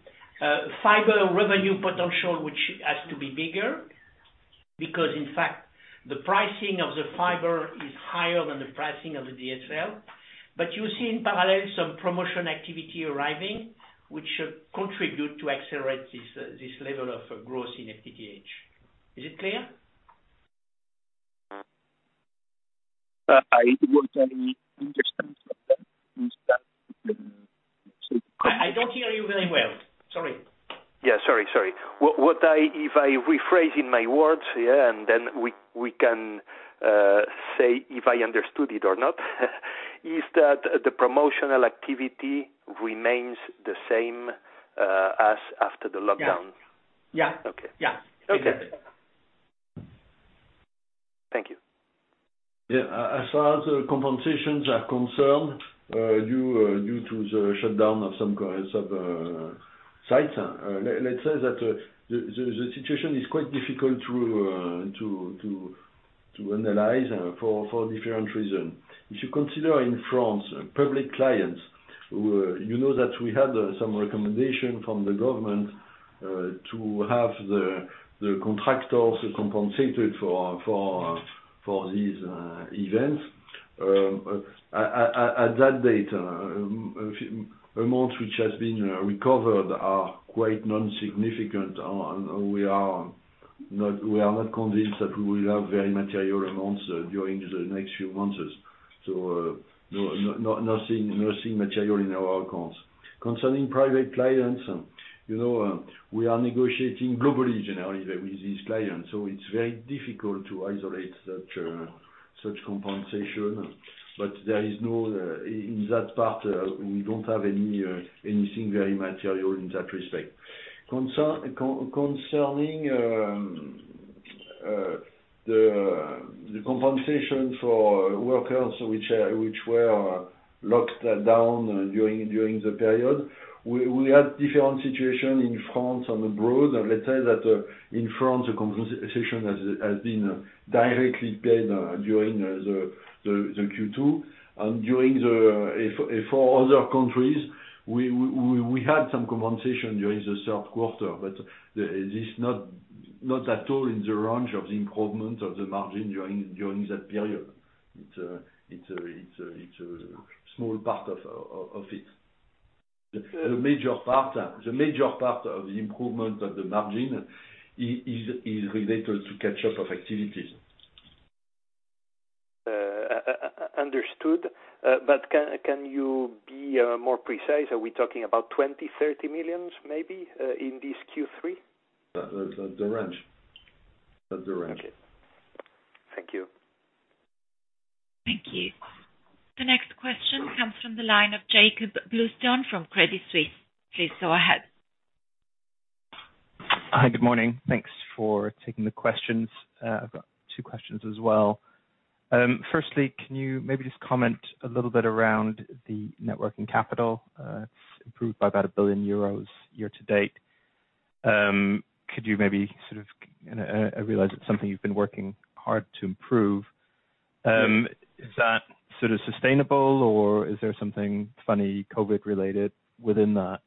fiber revenue potential, which has to be bigger, because in fact, the pricing of the fiber is higher than the pricing of the DSL. You see in parallel some promotion activity arriving, which should contribute to accelerate this level of growth in FTTH. Is it clear? What I understand from that is that. I don't hear you very well. Sorry. Yeah. Sorry. If I rephrase in my words, yeah, and then we can say if I understood it or not, is that the promotional activity remains the same as after the lockdown? Yeah. Okay. Yeah. Okay. Thank you. Yeah. As far as the compensations are concerned, due to the shutdown of some sites, let's say that the situation is quite difficult to analyze for different reason. If you consider in France, public clients, you know that we had some recommendation from the government to have the contractors compensated for these events. At that date, amounts which has been recovered are quite non-significant. We are not convinced that we will have very material amounts during the next few months. Nothing material in our accounts. Concerning private clients, we are negotiating globally generally with these clients, so it's very difficult to isolate such compensation. In that part, we don't have anything very material in that respect. Concerning the compensation for workers which were locked down during the period, we had different situation in France and abroad. Let's say that in France, the compensation has been directly paid during the Q2, and for other countries, we had some compensation during the third quarter. This not at all in the range of the improvement of the margin during that period. It's a small part of it. The major part of the improvement of the margin is related to catch-up of activities. Understood. Can you be more precise? Are we talking about 20 million, 30 million, maybe, in this Q3? That's the range. Okay. Thank you. Thank you. The next question comes from the line of Jakob Bluestone from Credit Suisse. Please go ahead. Hi. Good morning. Thanks for taking the questions. I've got two questions as well. Can you maybe just comment a little bit around the net working capital? It's improved by about 1 billion euros year-to-date. I realize it's something you've been working hard to improve. Is that sort of sustainable or is there something funny COVID related within that?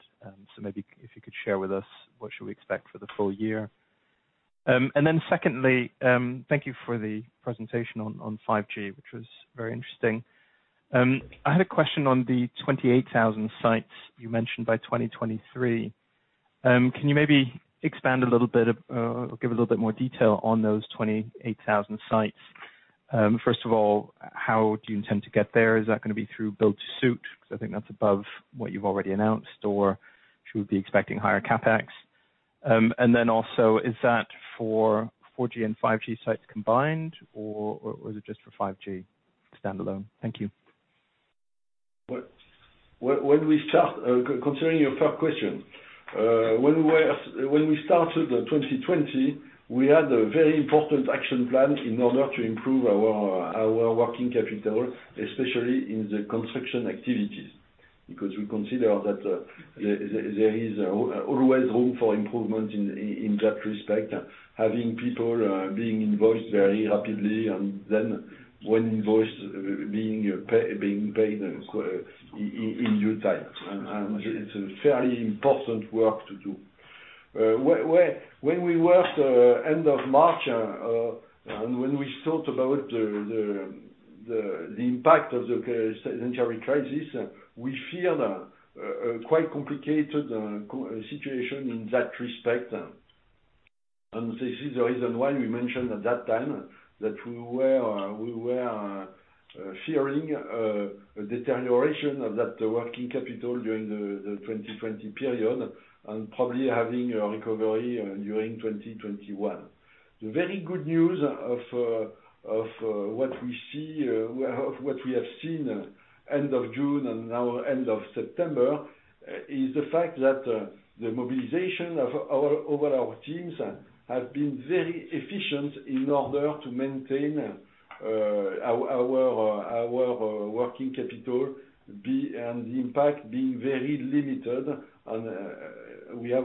Maybe if you could share with us what should we expect for the full year? Secondly, thank you for the presentation on 5G, which was very interesting. I had a question on the 28,000 sites you mentioned by 2023. Can you maybe expand a little bit or give a little bit more detail on those 28,000 sites? First of all, how do you intend to get there? Is that going to be through build to suit? I think that's above what you've already announced, or should we be expecting higher CapEx? Also is that for 4G and 5G sites combined, or is it just for 5G standalone? Thank you. Concerning your first question. When we started 2020, we had a very important action plan in order to improve our working capital, especially in the construction activities. We consider that there is always room for improvement in that respect. Having people being invoiced very rapidly, and then when invoiced, being paid in due time. It's a fairly important work to do. When we were at the end of March, and when we thought about the impact of the pandemic crisis, we feared a quite complicated situation in that respect. This is the reason why we mentioned at that time that we were fearing a deterioration of that working capital during the 2020 period, probably having a recovery during 2021. The very good news of what we have seen end of June and now end of September, is the fact that the mobilization of all our teams has been very efficient in order to maintain our working capital, and the impact being very limited. We have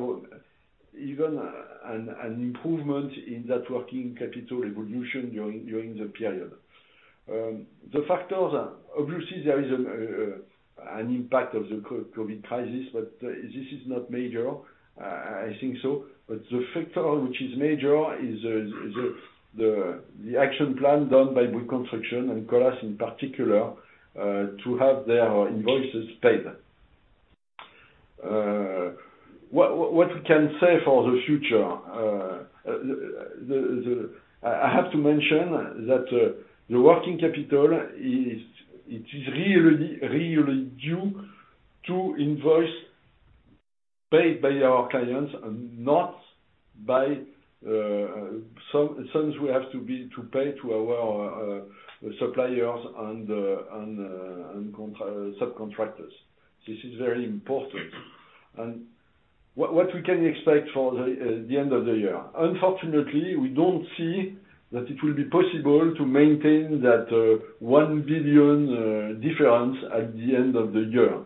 even an improvement in that working capital evolution during the period. The factors, obviously, there is an impact of the COVID crisis, but this is not major. I think so. The factor which is major is the action plan done by Bouygues Construction and Colas in particular, to have their invoices paid. What we can say for the future, I have to mention that the working capital is really due to invoice paid by our clients and not by sums we have to pay to our suppliers and subcontractors. This is very important. What we can expect for the end of the year. Unfortunately, we don't see that it will be possible to maintain that 1 billion difference at the end of the year.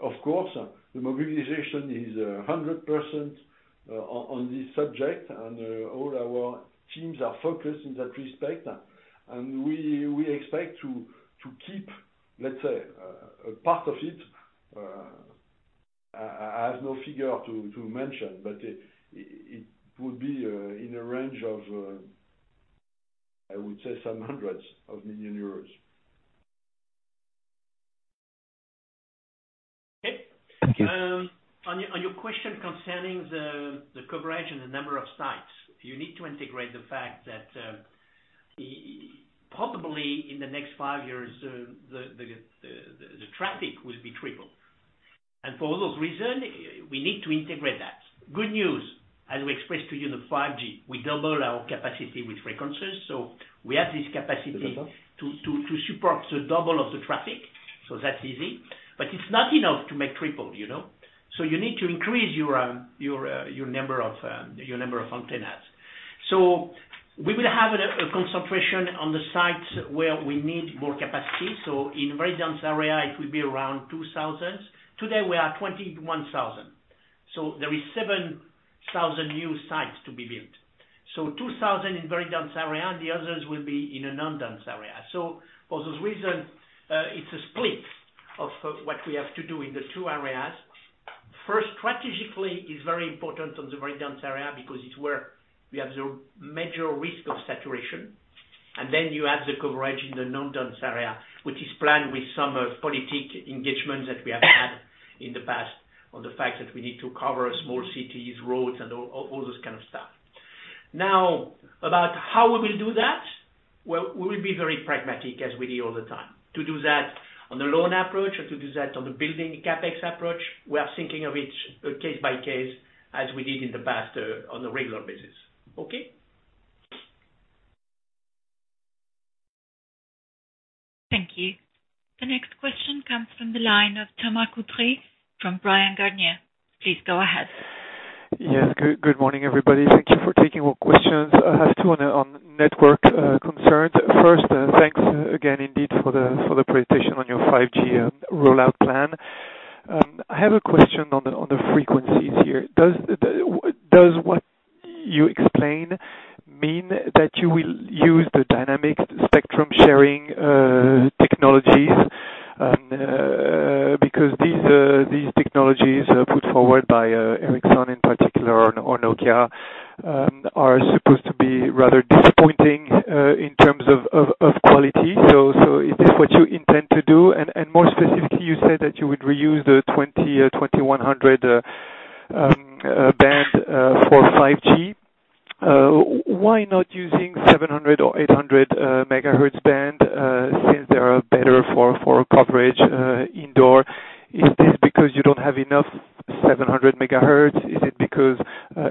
Of course, the mobilization is 100% on this subject, and all our teams are focused in that respect. We expect to keep, let's say, a part of it. I have no figure to mention, but it would be in a range of, I would say, some hundreds of million euros. Thank you. Okay. On your question concerning the coverage and the number of sites. You need to integrate the fact that probably in the next five years, the traffic will be triple. For those reason, we need to integrate that. Good news, as we expressed to you in the 5G, we double our capacity with frequencies. We have this capacity to support the double of the traffic. That's easy, but it's not enough to make triple. You need to increase your number of antennas. We will have a concentration on the sites where we need more capacity. In very dense area, it will be around 2,000. Today, we are at 21,000. There is 7,000 new sites to be built. 2,000 in very dense area, and the others will be in a non-dense area. For those reasons, it's a split of what we have to do in the two areas. First, strategically, it's very important on the very dense area because it's where we have the major risk of saturation. You add the coverage in the non-dense area, which is planned with some political engagements that we have had in the past on the fact that we need to cover small cities, roads, and all those kind of stuff. About how we will do that, well, we will be very pragmatic as we do all the time. To do that on the loan approach or to do that on the building CapEx approach, we are thinking of it case by case as we did in the past on a regular basis. Okay? Thank you. The next question comes from the line of Thomas Coudry from Bryan Garnier. Please go ahead. Yes. Good morning, everybody. Thank you for taking our questions. I have two on network concerns. First, thanks again indeed for the presentation on your 5G rollout plan. I have a question on the frequencies here. Does what you explained mean that you will use the dynamic spectrum sharing technologies? These technologies put forward by Ericsson in particular, or Nokia, are supposed to be rather disappointing in terms of quality. Is this what you intend to do? More specifically, you said that you would reuse the 2,000 MHz, 2,100 MHz band for 5G. Why not using 700 or 800 MHz band, since they are better for coverage indoor? Is this because you don't have enough 700 MHz? Is it because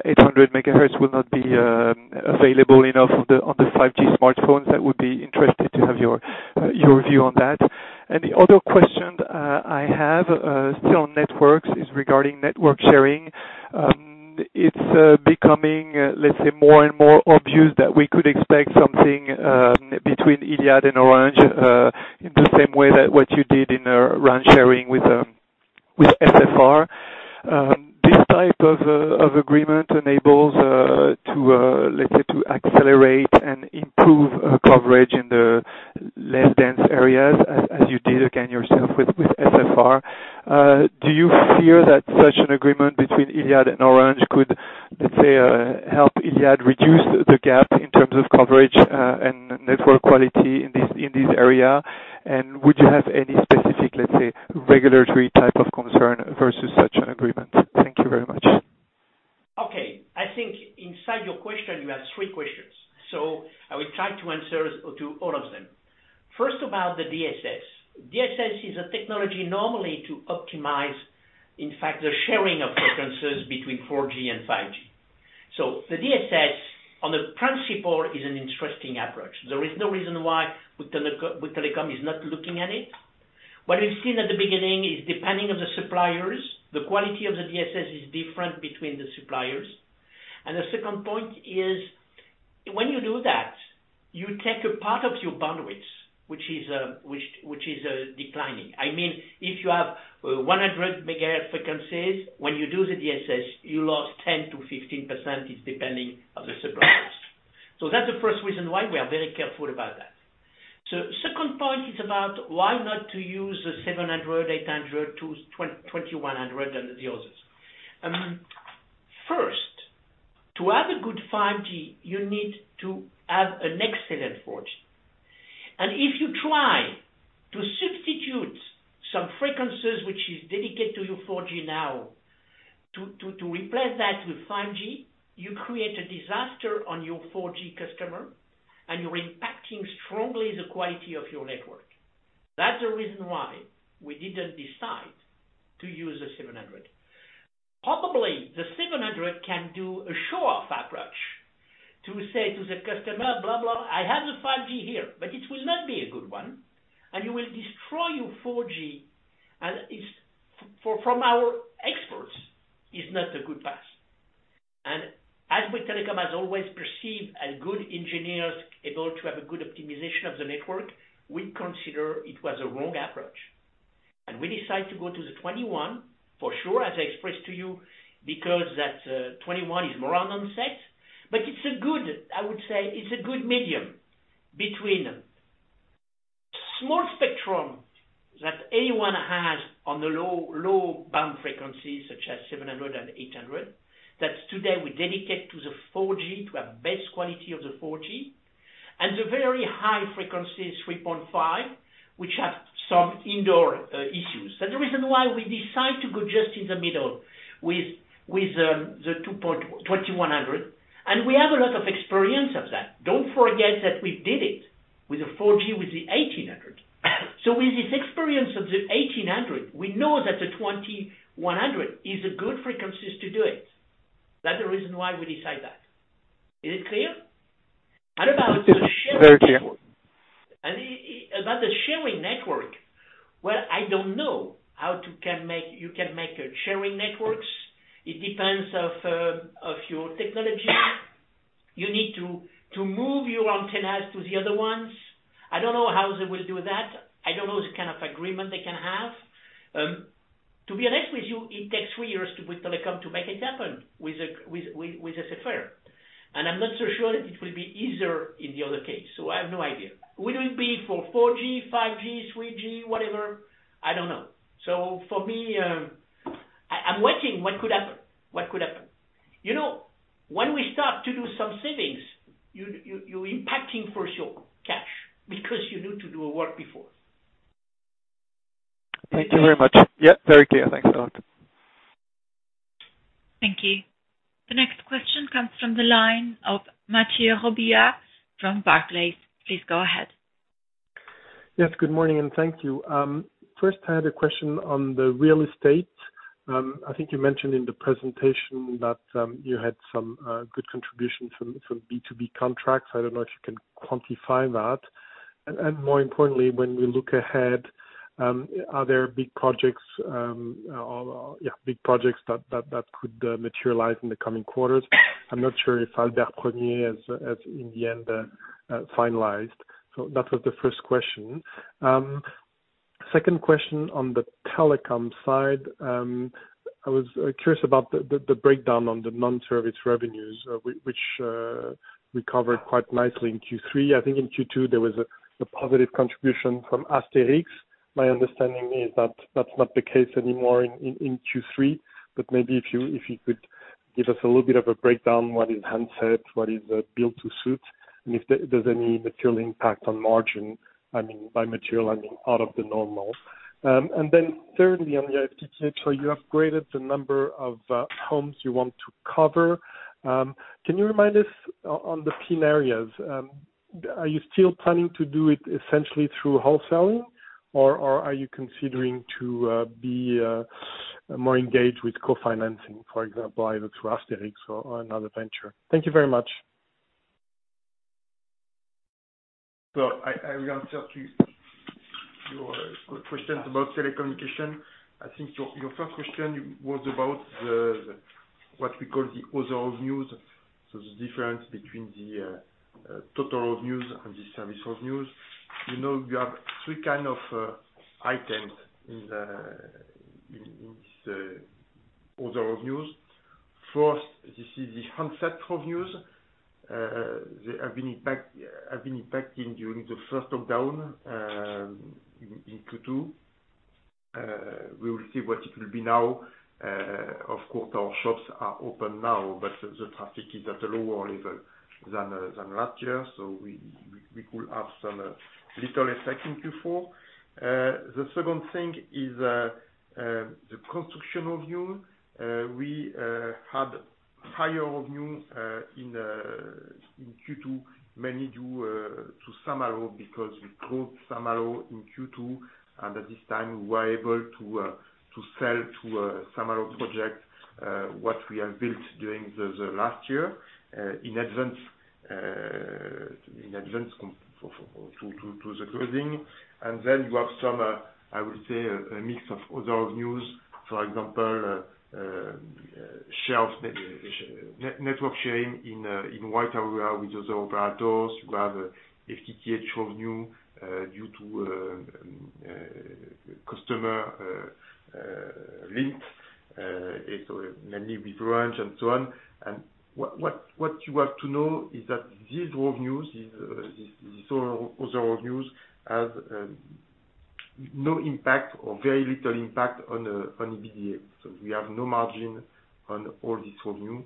800 MHz will not be available enough on the 5G smartphones? I would be interested to have your view on that. The other question I have, still on networks, is regarding network sharing. It's becoming, let's say, more and more obvious that we could expect something between Iliad and Orange in the same way that what you did in RAN sharing with SFR. This type of agreement enables to, let's say, to accelerate and improve coverage in the less dense areas as you did again yourself with SFR. Do you fear that such an agreement between Iliad and Orange could, let's say, help Iliad reduce the gap in terms of coverage and network quality in this area. Would you have any specific, let's say, regulatory type of concern versus such an agreement? Thank you very much. Okay. I think inside your question, you have three questions. I will try to answer to all of them. First, about the DSS. DSS is a technology normally to optimize, in fact, the sharing of frequencies between 4G and 5G. The DSS on the principle is an interesting approach. There is no reason why Bouygues Telecom is not looking at it. What we've seen at the beginning is depending on the suppliers, the quality of the DSS is different between the suppliers. The second point is, when you do that, you take a part of your bandwidth, which is declining. I mean, if you have 100 megahertz frequencies, when you do the DSS, you lose 10%-15%. It's depending on the suppliers. That's the first reason why we are very careful about that. Second point is about why not to use the 700 MHz, 800 MHz to 2100 MHz and the others. First, to have a good 5G, you need to have an excellent 4G. If you try to substitute some frequencies, which is dedicated to your 4G now, to replace that with 5G, you create a disaster on your 4G customer, and you're impacting strongly the quality of your network. That's the reason why we didn't decide to use the 700. Probably the 700 can do a show-off approach to say to the customer, blah, blah, I have the 5G here, but it will not be a good one, and you will destroy your 4G. From our experts, it's not a good path. As Bouygues Telecom has always perceived as good engineers able to have a good optimization of the network, we consider it was a wrong approach. We decide to go to the 2,100 MHz for sure, as I expressed to you, because that 2,100 MHz is more a known asset. I would say, it's a good medium between small spectrum that anyone has on the low band frequencies such as 700 MHz and 800 MHz, that today we dedicate to the 4G to have best quality of the 4G, and the very high frequencies, 3.5 GHz, which have some indoor issues. That's the reason why we decide to go just in the middle with the 2,100 MHz, and we have a lot of experience of that. Don't forget that we did it with the 4G, with the 1,800 MHz. With this experience of the 1,800 MHz we know that the 2,100 MHz is a good frequencies to do it. That's the reason why we decide that. Is it clear? About the sharing- Very clear. About the sharing network, well, I don't know how you can make a sharing networks. It depends on your technology. You need to move your antennas to the other ones. I don't know how they will do that. I don't know the kind of agreement they can have. To be honest with you, it takes three years with telecom to make it happen with SFR. I'm not so sure that it will be easier in the other case. I have no idea. Will it be for 4G, 5G, 3G, whatever? I don't know. For me, I'm waiting. What could happen? When we start to do some savings, you're impacting for sure cash, because you need to do a work before. Thank you very much. Very clear. Thanks a lot. Thank you. The next question comes from the line of Mathieu Robilliard from Barclays. Please go ahead. Yes, good morning, thank you. First I had a question on the real estate. I think you mentioned in the presentation that you had some good contributions from B2B contracts. I don't know if you can quantify that. More importantly, when we look ahead, are there big projects that could materialize in the coming quarters? I'm not sure if Albert Premier has in the end finalized. That was the first question. Second question on the telecom side. I was curious about the breakdown on the non-service revenues, which recovered quite nicely in Q3. I think in Q2 there was a positive contribution from Asterix. My understanding is that's not the case anymore in Q3. Maybe if you could give us a little bit of a breakdown, what is handsets, what is build to suit, and if there's any material impact on margin. By material, I mean out of the normal. Thirdly, on the FTTH, you upgraded the number of homes you want to cover. Can you remind us on the PIN areas, are you still planning to do it essentially through wholesaling or are you considering to be more engaged with co-financing, for example, either through Asterix or another venture? Thank you very much. Well, I will answer to your questions about telecommunication. I think your first question was about what we call the other revenues. The difference between the total revenues and the service revenues. You have three kind of items in this other revenues. First, this is the handset revenues. They have been impacting during the first lockdown in Q2. We will see what it will be now. Of course, our shops are open now, but the traffic is at a lower level than last year, so we could have some little effect in Q4. The second thing is the construction revenue. We had higher revenue in Q2, mainly due to Saint-Malo, because we closed Saint-Malo in Q2, and at this time, we were able to sell to a Saint-Malo project what we have built during the last year in advance to the closing. You have some, I would say, a mix of other revenues. For example, network sharing in white area with other operators, you have FTTH revenue due to customer links, so mainly with Orange and so on. What you have to know is that these other revenues have no impact or very little impact on EBITDA. We have no margin on all this revenue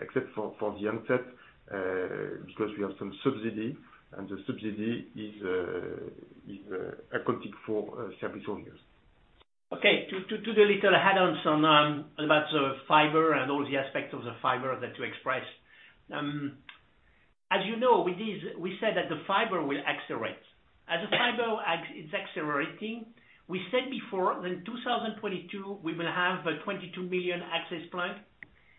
except for the handset, because we have some subsidy, and the subsidy is accounting for service revenues. Okay. To the little add-ons about the fiber and all the aspects of the fiber that you expressed. As you know, we said that the fiber will accelerate. As the fiber is accelerating, we said before that in 2022, we will have 22 million access plugs.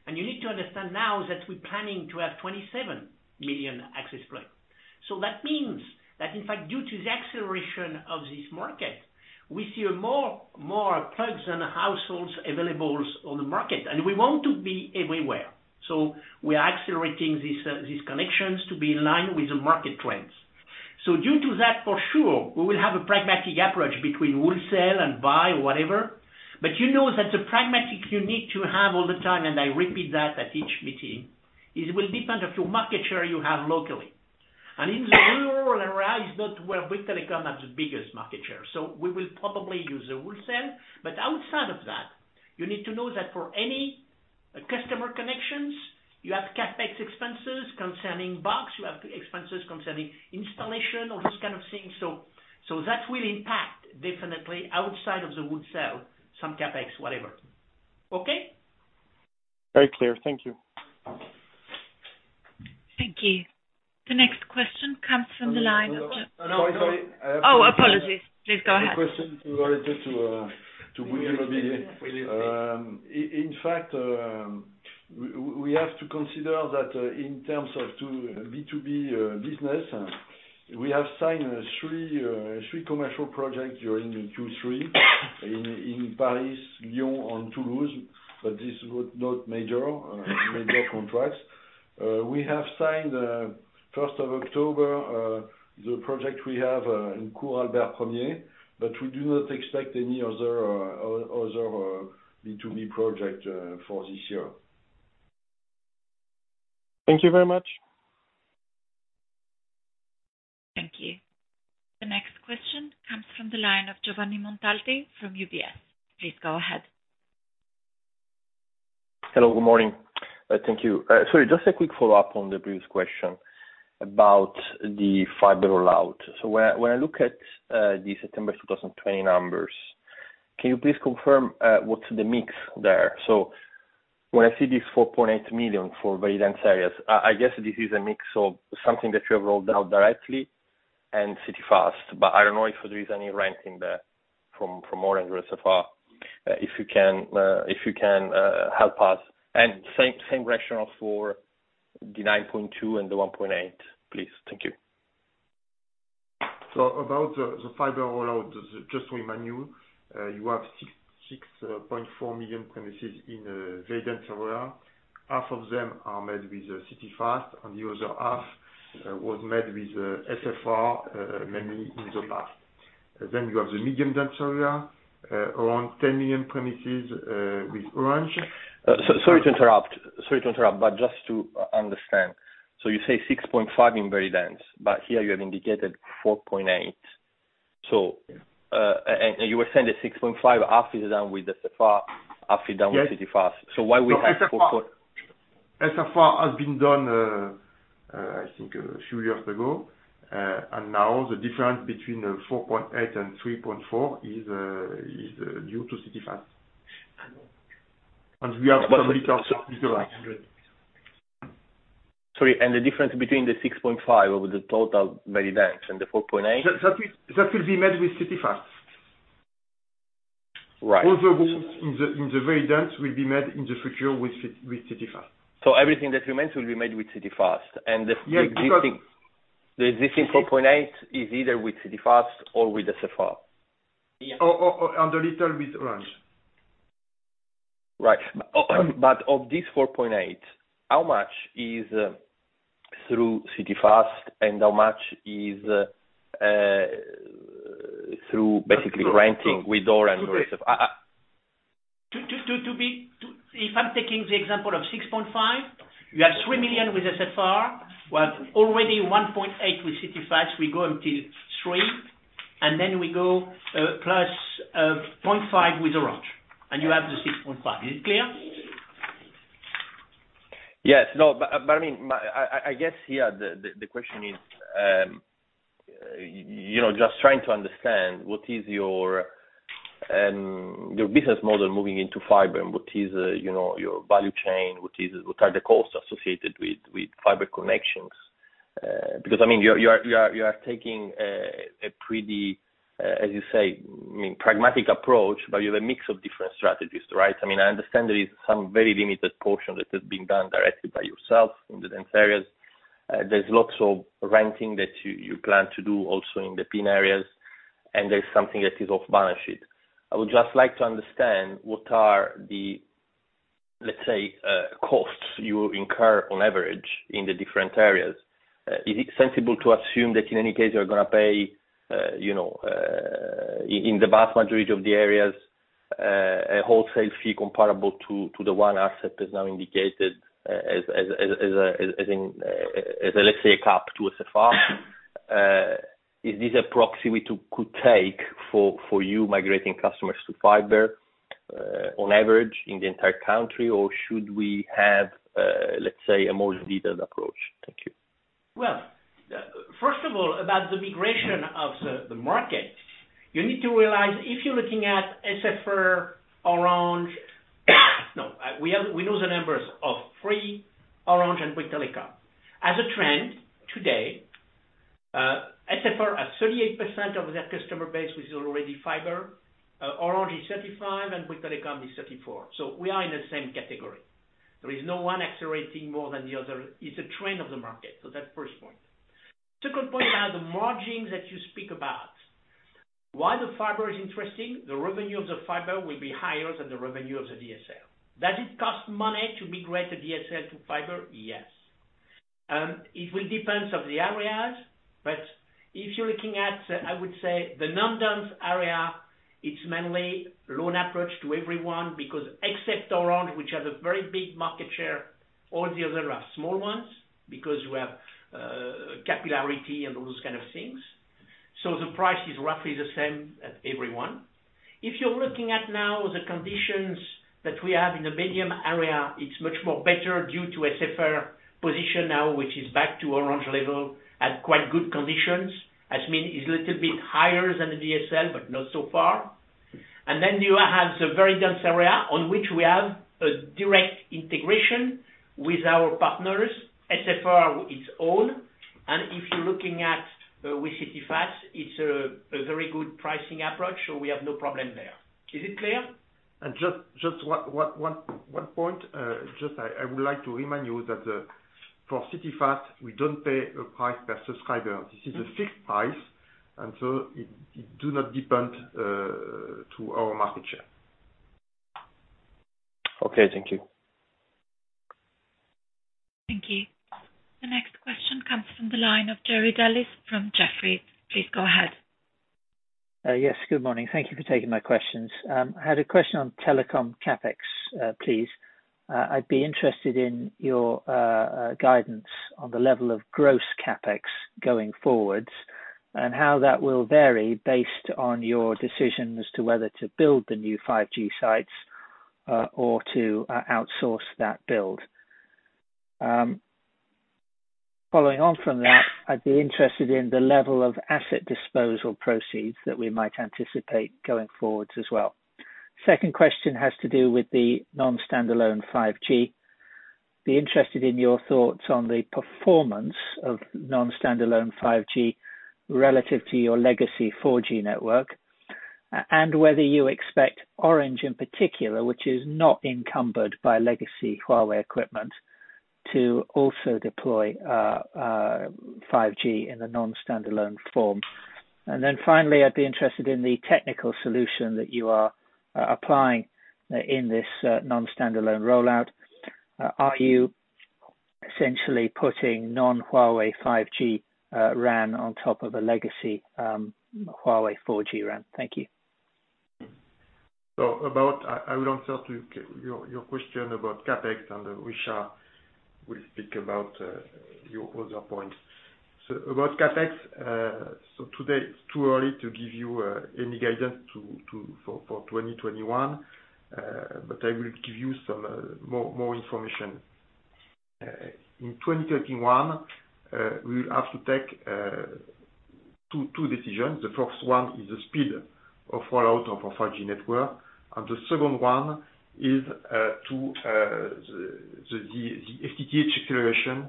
You need to understand now that we're planning to have 27 million access plugs. That means that in fact, due to the acceleration of this market, we see more plugs and households available on the market, and we want to be everywhere. We are accelerating these connections to be in line with the market trends. Due to that, for sure, we will have a pragmatic approach between wholesale and buy or whatever. You know that the pragmatic you need to have all the time, and I repeat that at each meeting, it will depend on your market share you have locally. In the rural area is not where Bouygues Telecom has the biggest market share. We will probably use the wholesale. Outside of that, you need to know that for any customer connections, you have CapEx expenses concerning box, you have expenses concerning installation, all those kind of things. That will impact definitely outside of the wholesale, some CapEx, whatever. Okay. Very clear. Thank you. Thank you. The next question comes from the line of. Sorry. Oh, apologies. Please go ahead. A question related to Bouygues Immobilier. In fact, we have to consider that in terms of B2B business, we have signed three commercial projects during the Q3 in Paris, Lyon and Toulouse, but these were not major contracts. We have signed, first of October, the project we have in Cour Albert Premier, but we do not expect any other B2B project for this year. Thank you very much. Thank you. The next question comes from the line of Giovanni Montalti from UBS. Please go ahead. Hello, good morning. Thank you. Sorry, just a quick follow-up on the previous question about the fiber rollout. When I look at the September 2020 numbers, can you please confirm what's the mix there? When I see this 4.8 million for very dense areas, I guess this is a mix of something that you have rolled out directly and CityFast, but I don't know if there is any rent in there from Orange or SFR. If you can help us. Same rationale for the 9.2 million and the 1.8 million, please. Thank you. About the fiber rollout, just to remind you have 6.4 million premises in very dense area. Half of them are made with CityFast, and the other half was made with SFR, mainly in the past. You have the medium dense area, around 10 million premises with Orange. Sorry to interrupt, but just to understand. You say 6.5 million in very dense, but here you have indicated 4.8 million. You were saying that 6.5 million, half is done with SFR, half is done with CityFast. Why would you have 3.4 million? SFR has been done I think a few years ago. Now the difference between 4.8 million and 3.4 million is due to CityFast. Sorry, the difference between the 6.5 million over the total very dense and the 4.8 million? That will be made with CityFast. Right. All the rolls in the very dense will be made in the future with CityFast. Everything that remains will be made with CityFast. Yes. The existing 4.8 is either with CityFast or with SFR. A little with Orange. Right. Of this 4.8 million, how much is through CityFast and how much is through basically renting with Orange or SFR? If I'm taking the example of 6.5 million, you have 3 million with SFR, we have already 1.8 million with CityFast. We go until 3 million, and then we go plus 0.5 million with Orange, and you have the 6.5 million. Is it clear? Yes. No, I guess here the question is, just trying to understand what is your business model moving into fiber and what is your value chain, what are the costs associated with fiber connections? Because you are taking a pretty, as you say, pragmatic approach, but you have a mix of different strategies, right? I understand there is some very limited portion that is being done directly by yourself in the dense areas. There's lots of renting that you plan to do also in the PIN areas, and there's something that is off balance sheet. I would just like to understand what are the, let's say, costs you incur on average in the different areas. Is it sensible to assume that in any case you're going to pay in the vast majority of the areas, a wholesale fee comparable to the one ARCEP that's now indicated as, let's say, a cap to SFR? Is this a proxy we could take for you migrating customers to fiber, on average in the entire country, or should we have, let's say, a more detailed approach? Thank you. Well, first of all, about the migration of the market. You need to realize if you're looking at SFR, Orange. We know the numbers of Free, Orange, and Bouygues Telecom. As a trend, today, SFR has 38% of their customer base with already fiber, Orange is 35%, and Bouygues Telecom is 34%. We are in the same category. There is no one accelerating more than the other. It's a trend of the market. That's first point. Second point are the margins that you speak about. Why the fiber is interesting, the revenue of the fiber will be higher than the revenue of the DSL. Does it cost money to migrate a DSL to fiber? Yes. It will depend of the areas, but if you're looking at, I would say, the non-dense area, it's mainly loan approach to everyone because except Orange, which has a very big market share, all the others are small ones because we have capillarity and all those kind of things. The price is roughly the same as everyone. If you're looking at now the conditions that we have in the medium area, it's much more better due to SFR position now, which is back to Orange level at quite good conditions, I mean, it's little bit higher than the DSL, but not so far. You have the very dense area on which we have a direct integration with our partners, SFR its own. If you're looking at with CityFast, it's a very good pricing approach, so we have no problem there. Is it clear? Just one point. Just, I would like to remind you that for CityFast, we don't pay a price per subscriber. This is a fixed price, and so it do not depend to our market share. Okay. Thank you. Thank you. The next question comes from the line of Jerry Dellis from Jefferies. Please go ahead. Yes. Good morning. Thank you for taking my questions. I had a question on telecom CapEx, please. I'd be interested in your guidance on the level of gross CapEx going forwards and how that will vary based on your decision as to whether to build the new 5G sites or to outsource that build. Following on from that, I'd be interested in the level of asset disposal proceeds that we might anticipate going forwards as well. Second question has to do with the non-standalone 5G. I'd be interested in your thoughts on the performance of non-standalone 5G relative to your legacy 4G network, and whether you expect Orange in particular, which is not encumbered by legacy Huawei equipment, to also deploy 5G in the non-standalone form. Finally, I'd be interested in the technical solution that you are applying in this non-standalone rollout. Are you essentially putting non-Huawei 5G RAN on top of a legacy Huawei 4G RAN? Thank you. I will answer to your question about CapEx and Richard will speak about your other points. About CapEx, today it's too early to give you any guidance for 2021. I will give you some more information. In 2021, we will have to take two decisions. The first one is the speed of rollout of our 5G network, and the second one is the FTTH acceleration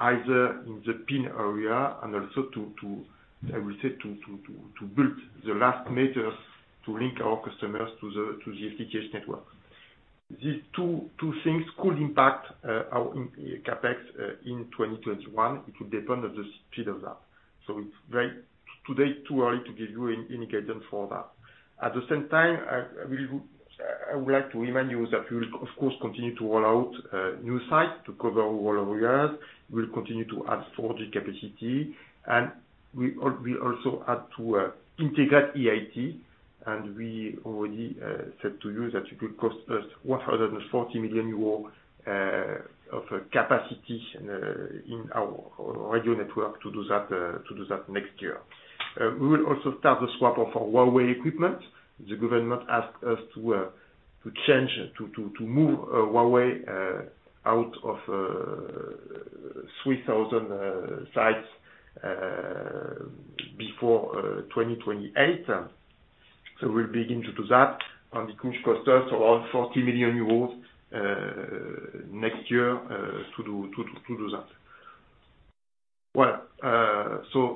either in the PIN area and also to build the last meters to link our customers to the FTTH network. These two things could impact our CapEx in 2021. It will depend on the speed of that. It's today too early to give you any guidance for that. At the same time, I would like to remind you that we will, of course, continue to roll out new sites to cover all areas. We'll continue to add 4G capacity, and we also had to integrate EIT, and we already said to you that it will cost us 140 million euros of capacity in our radio network to do that next year. We will also start the swap of our Huawei equipment. The government asked us to change, to move Huawei out of 3,000 sites before 2028. We'll begin to do that, and it could cost us around 40 million euros next year to do that.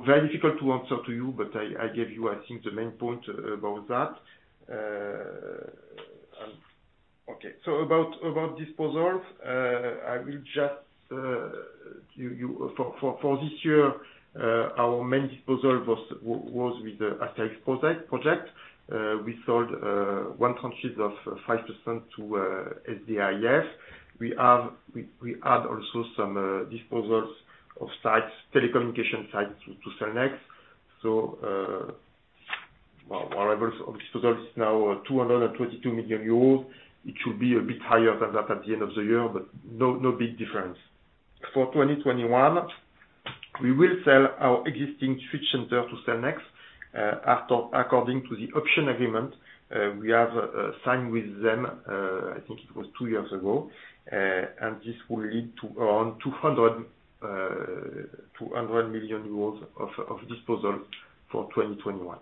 Very difficult to answer to you, but I gave you, I think, the main point about that. Okay. About disposals, for this year, our main disposal was with the Asterix project. We sold 1/10 of 5% to SDAIF. We had also some disposals of sites, telecommunication sites, to Cellnex. Our level of disposal is now 222 million euros. It should be a bit higher than that at the end of the year, but no big difference. For 2021, we will sell our existing switch center to Cellnex according to the option agreement we have signed with them, I think it was two years ago. This will lead to around 200 million euros of disposal for 2021.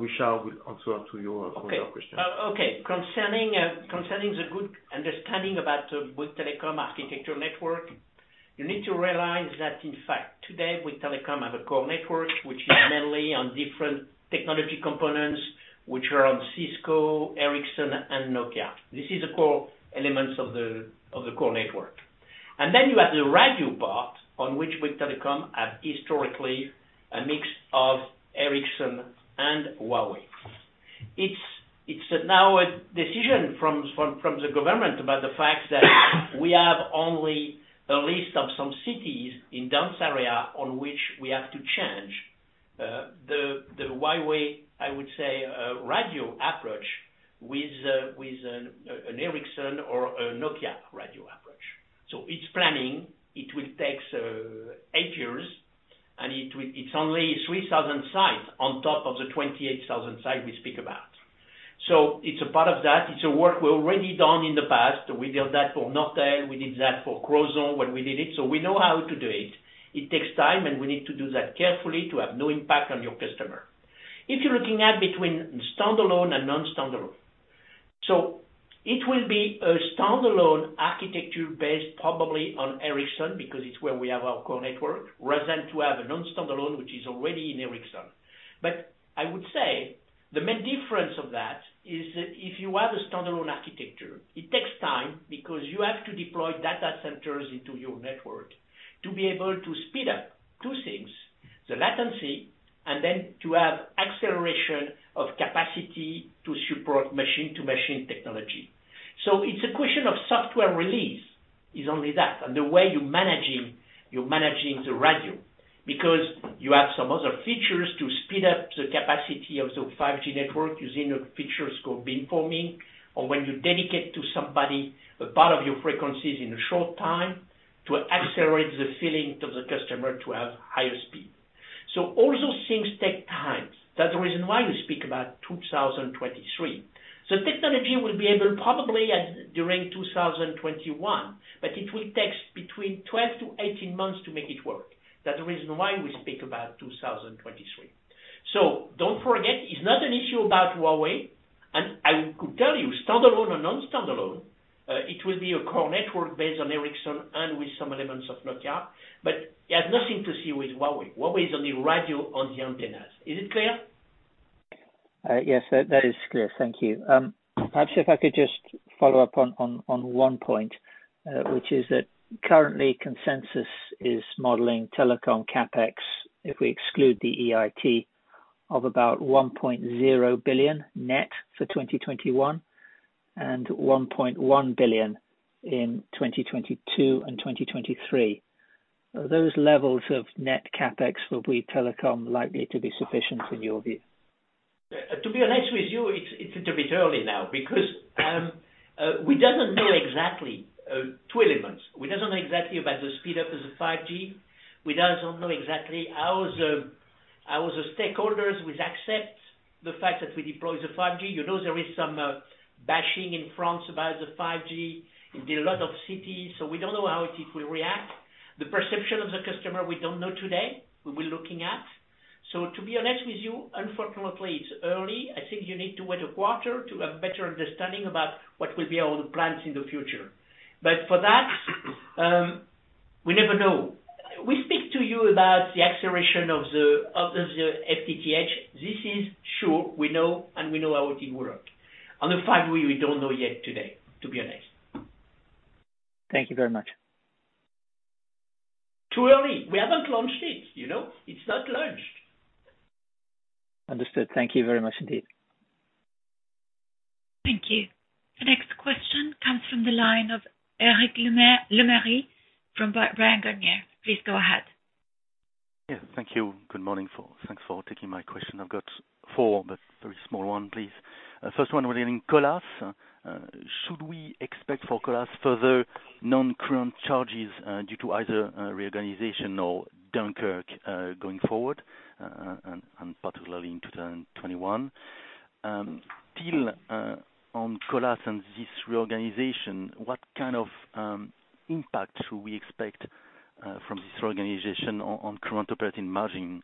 Richard will answer to your other question. Okay. Concerning the good understanding about Bouygues Telecom architecture network, you need to realize that, in fact, today, Bouygues Telecom have a core network, which is mainly on different technology components, which are on Cisco, Ericsson, and Nokia. This is a core elements of the core network. Then you have the radio part on which Bouygues Telecom have historically a mix of Ericsson and Huawei. It's now a decision from the government about the fact that we have only a list of some cities in dense area on which we have to change the Huawei, I would say, radio approach with an Ericsson or a Nokia radio approach. It's planning. It will take eight years, and it's only 3,000 sites on top of the 28,000 sites we speak about. It's a part of that. It's a work we've already done in the past. We did that for Nortel, we did that for Crozon when we did it. We know how to do it. It takes time, and we need to do that carefully to have no impact on your customer. If you're looking at between standalone and non-standalone. It will be a standalone architecture based probably on Ericsson because it's where we have our core network, rather than to have a non-standalone, which is already in Ericsson. I would say the main difference of that is if you have a standalone architecture, it takes time because you have to deploy data centers into your network to be able to speed up two things, the latency and then to have acceleration of capacity to support machine-to-machine technology. It's a question of software release, is only that, and the way you're managing the radio. Because you have some other features to speed up the capacity of the 5G network using a feature called beamforming, or when you dedicate to somebody a part of your frequencies in a short time to accelerate the feeling of the customer to have higher speed. All those things take time. That's the reason why we speak about 2023. The technology will be able probably during 2021, but it will take between 12 to 18 months to make it work. That's the reason why we speak about 2023. Don't forget, it's not an issue about Huawei. I could tell you, standalone or non-standalone, it will be a core network based on Ericsson and with some elements of Nokia, but it has nothing to see with Huawei. Huawei is only radio on the antennas. Is it clear? Yes, that is clear. Thank you. Perhaps if I could just follow up on one point, which is that currently consensus is modeling telecom CapEx, if we exclude the EIT, of about 1.0 billion net for 2021 and 1.1 billion in 2022 and 2023. Are those levels of net CapEx for Bouygues Telecom likely to be sufficient in your view? To be honest with you, it's a bit early now because we don't know exactly two elements. We don't know exactly about the speed up of the 5G. We don't know exactly how the stakeholders will accept the fact that we deploy the 5G. You know there is some bashing in France about the 5G in a lot of cities, so we don't know how it will react. The perception of the customer, we don't know today. We'll be looking at. To be honest with you, unfortunately, it's early. I think you need to wait a quarter to have better understanding about what will be our- in the future. For that, we never know. We speak to you about the acceleration of the FTTH. This is sure, we know, and we know how it will work. On the fiber, we don't know yet today, to be honest. Thank you very much. Too early. We haven't launched it. It's not launched. Understood. Thank you very much indeed. Thank you. The next question comes from the line of Eric Lemarié from Bryan Garnier. Please go ahead. Yes, thank you. Good morning. Thanks for taking my question. I've got four, but very small ones, please. First one regarding Colas. Should we expect for Colas further non-current charges due to either reorganization or Dunkirk, going forward, and particularly in 2021? Still on Colas and this reorganization, what kind of impact should we expect from this reorganization on current operating margin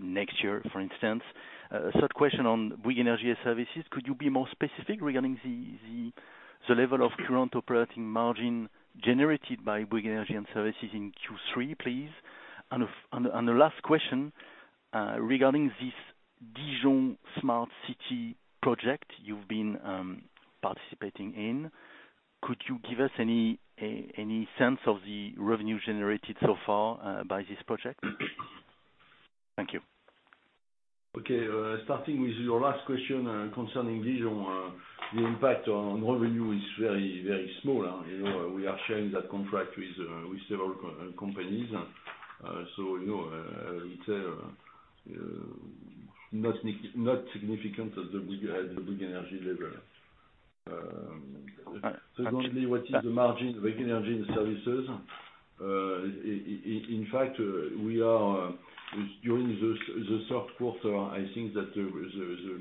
next year, for instance? Third question on Bouygues Energies & Services, could you be more specific regarding the level of current operating margin generated by Bouygues Energies & Services in Q3, please? The last question, regarding this Dijon smart city project you've been participating in, could you give us any sense of the revenue generated so far by this project? Thank you. Okay. Starting with your last question concerning Dijon, the impact on revenue is very small. We are sharing that contract with several companies. It's not significant at the Bouygues Energy level. Secondly, what is the margin of Bouygues Energies & Services? In fact, during the third quarter, I think that the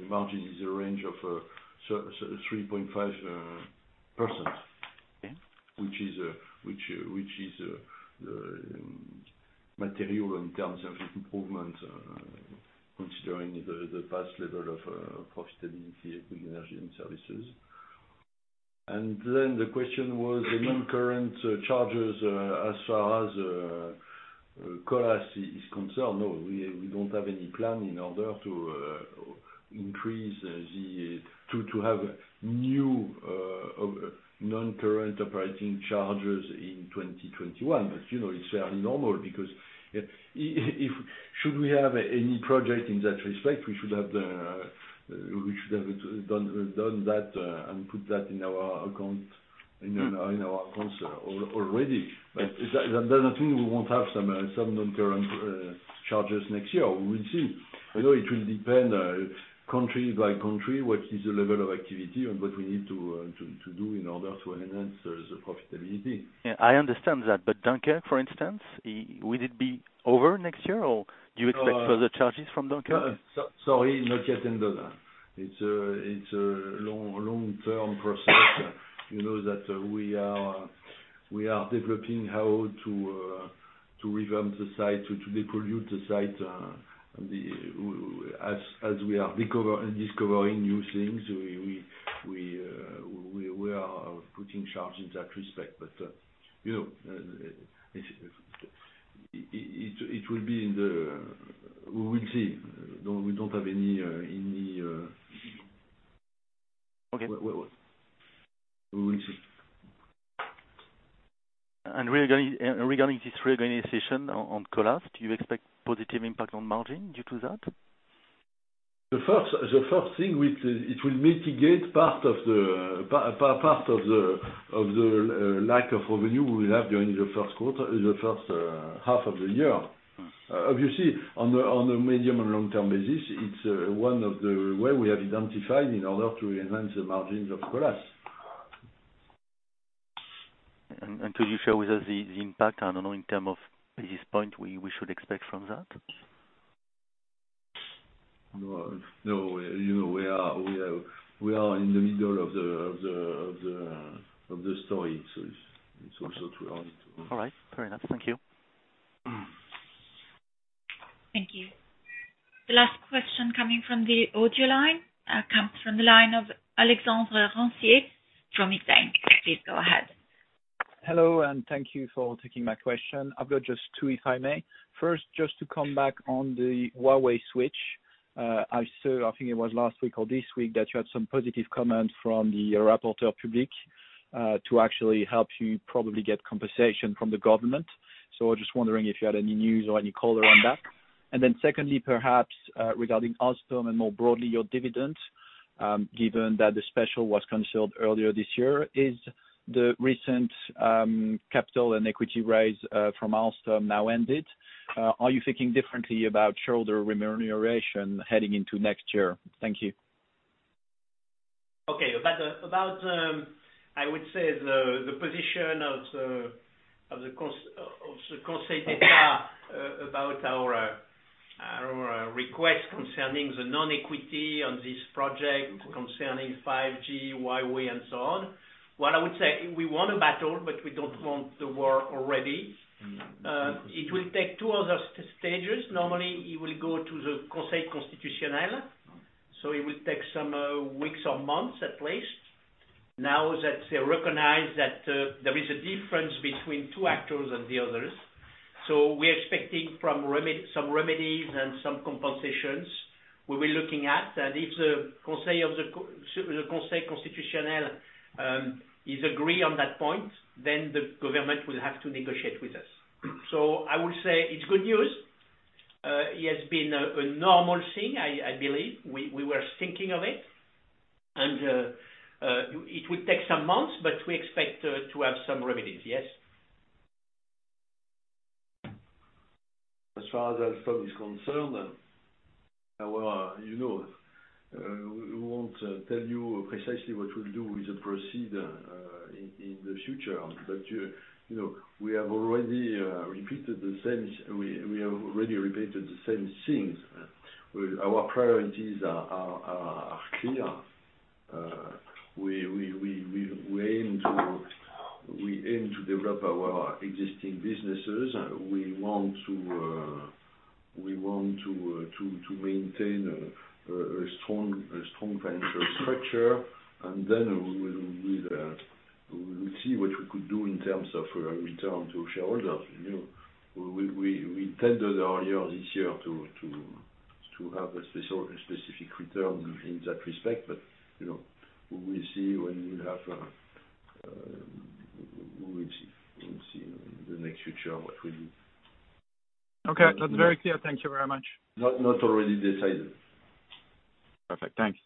margin is a range of 3.5%. Okay. Which is material in terms of improvement, considering the past level of profitability of Bouygues Energies & Services. The question was the non-current charges as far as Colas is concerned. No, we don't have any plan in order to have new non-current operating charges in 2021. It's fairly normal because should we have any project in that respect, we should have done that and put that in our accounts already. That doesn't mean we won't have some non-current charges next year. We will see. It will depend country by country, what is the level of activity and what we need to do in order to enhance the profitability. Yeah, I understand that. Dunkerque, for instance, will it be over next year, or do you expect further charges from Dunkerque? Sorry, not yet ended. It's a long-term process. You know that we are developing how to revamp the site, to depollute the site. As we are discovering new things, we are putting charges in that respect. We will see. Okay. We will see. Regarding this reorganization on Colas, do you expect positive impact on margin due to that? The first thing, it will mitigate part of the lack of revenue we will have during the first half of the year. Obviously, on a medium and long-term basis, it's one of the ways we have identified in order to enhance the margins of Colas. Could you share with us the impact, I don't know, in term of basis point we should expect from that? No. We are in the middle of the story. It's also too early to All right. Fair enough. Thank you. Thank you. The last question coming from the audio line, comes from the line of Alexandre Roncier from Exane. Please go ahead. Hello, and thank you for taking my question. I've got just two, if I may. First, just to come back on the Huawei switch. I saw, I think it was last week or this week, that you had some positive comments from the Rapporteur public, to actually help you probably get compensation from the government. Just wondering if you had any news or any color on that. Secondly, perhaps, regarding Alstom and more broadly, your dividend, given that the special was canceled earlier this year, is the recent capital and equity raise from Alstom now ended? Are you thinking differently about shareholder remuneration heading into next year? Thank you. Okay. About, I would say the position of the Conseil d'Etat about our request concerning the non-equity on this project concerning 5G, Huawei and well, I would say we won a battle, we don't want the war already. It will take two other stages. Normally, it will go to the Conseil constitutionnel, it will take some weeks or months at least now that they recognize that there is a difference between two actors and the others. We are expecting some remedies and some compensations. We'll be looking at that. If the Conseil constitutionnel agrees on that point, the government will have to negotiate with us. I would say it's good news. It has been a normal thing, I believe. We were thinking of it. It will take some months, we expect to have some remedies. Yes. As far as Alstom is concerned, we won't tell you precisely what we'll do with the proceeds in the future, but we have already repeated the same things. Our priorities are clear. We aim to develop our existing businesses. We want to maintain a strong financial structure, and then we will see what we could do in terms of return to shareholders. We tended earlier this year to have a specific return in that respect. We'll see in the next future what we'll do. Okay, that's very clear. Thank you very much. Not already decided. Perfect. Thanks.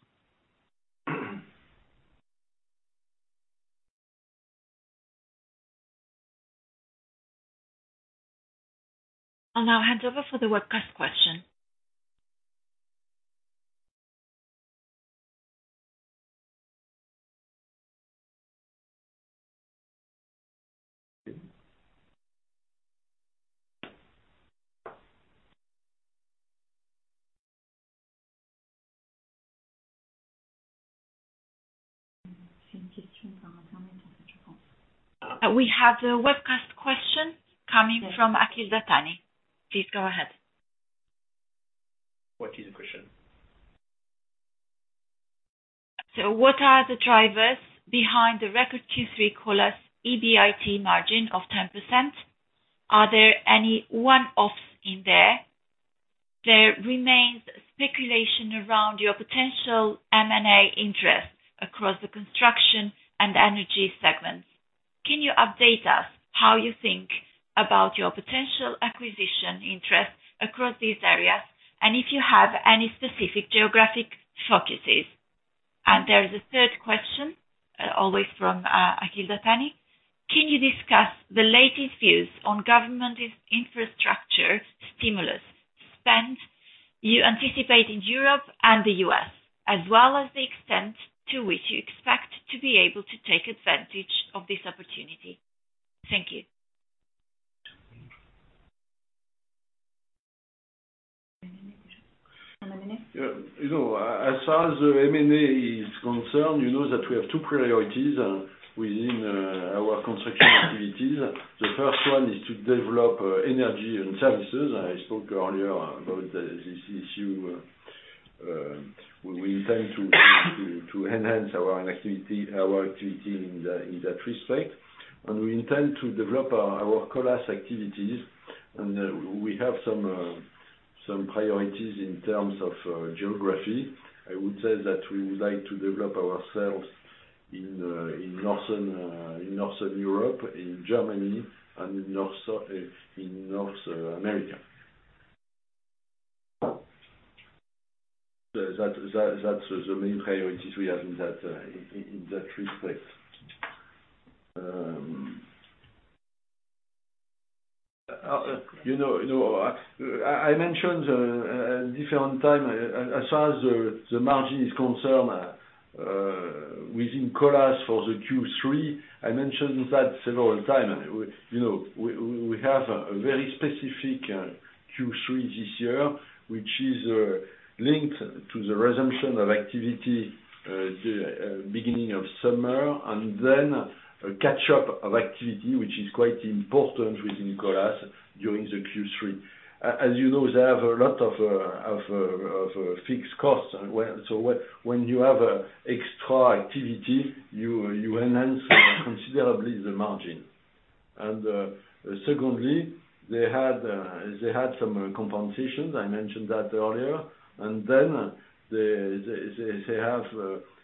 I'll now hand over for the webcast question. We have the webcast question coming from Akhil Dattani. Please go ahead. What is the question? What are the drivers behind the record Q3 Colas EBIT margin of 10%? Are there any one-offs in there? There remains speculation around your potential M&A interests across the construction and energy segments. Can you update us how you think about your potential acquisition interests across these areas, and if you have any specific geographic focuses? There is a third question, always from Akhil Dattani. Can you discuss the latest views on government infrastructure stimulus spend you anticipate in Europe and the U.S., as well as the extent to which you expect to be able to take advantage of this opportunity? Thank you. As far as M&A is concerned, you know that we have two priorities within our construction activities. The first one is to develop energy and services. I spoke earlier about this issue. We intend to enhance our activity in that respect, and we intend to develop our Colas activities, and we have some priorities in terms of geography. I would say that we would like to develop ourselves in Northern Europe, in Germany and in North America. That's the main priorities we have in that respect. I mentioned a different time as far as the margin is concerned within Colas for the Q3, I mentioned that several times. We have a very specific Q3 this year, which is linked to the resumption of activity the beginning of summer, and then a catch-up of activity, which is quite important within Colas during the Q3. As you know, they have a lot of fixed costs. When you have extra activity, you enhance considerably the margin. Secondly, they had some compensations, I mentioned that earlier. They have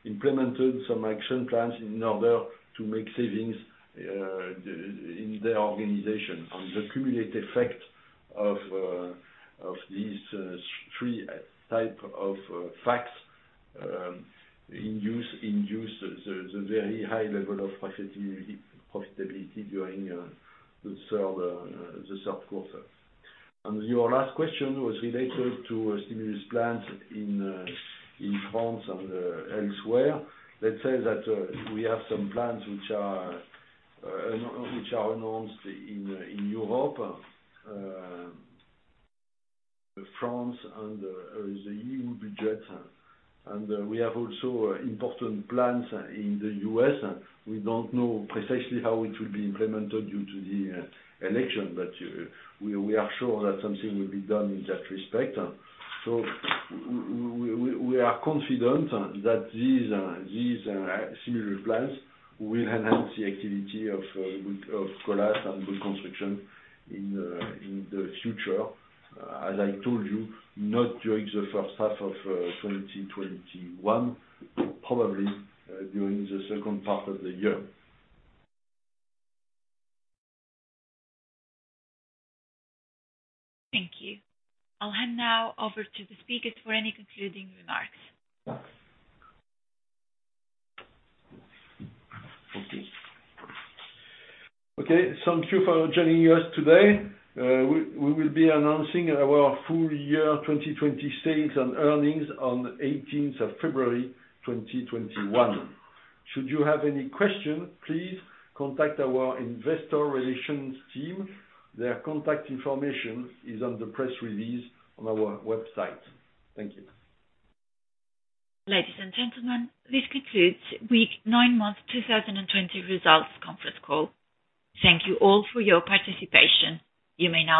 implemented some action plans in order to make savings in their organization. The cumulative effect of these 3 type of facts induced the very high level of profitability during the third quarter. Your last question was related to stimulus plans in France and elsewhere. Let's say that we have some plans which are announced in Europe, France, and the EU budget. We have also important plans in the U.S. We don't know precisely how it will be implemented due to the election, but we are sure that something will be done in that respect. We are confident that these similar plans will enhance the activity of Colas and Bouygues Construction in the future. As I told you, not during the first half of 2021, probably during the second part of the year. Thank you. I'll hand now over to the speakers for any concluding remarks. Thanks. Okay. Thank you for joining us today. We will be announcing our full year 2020 sales and earnings on the 18th of February 2021. Should you have any questions, please contact our investor relations team. Their contact information is on the press release on our website. Thank you. Ladies and gentlemen, this concludes Bouygues nine months 2020 results conference call. Thank you all for your participation. You may now disconnect.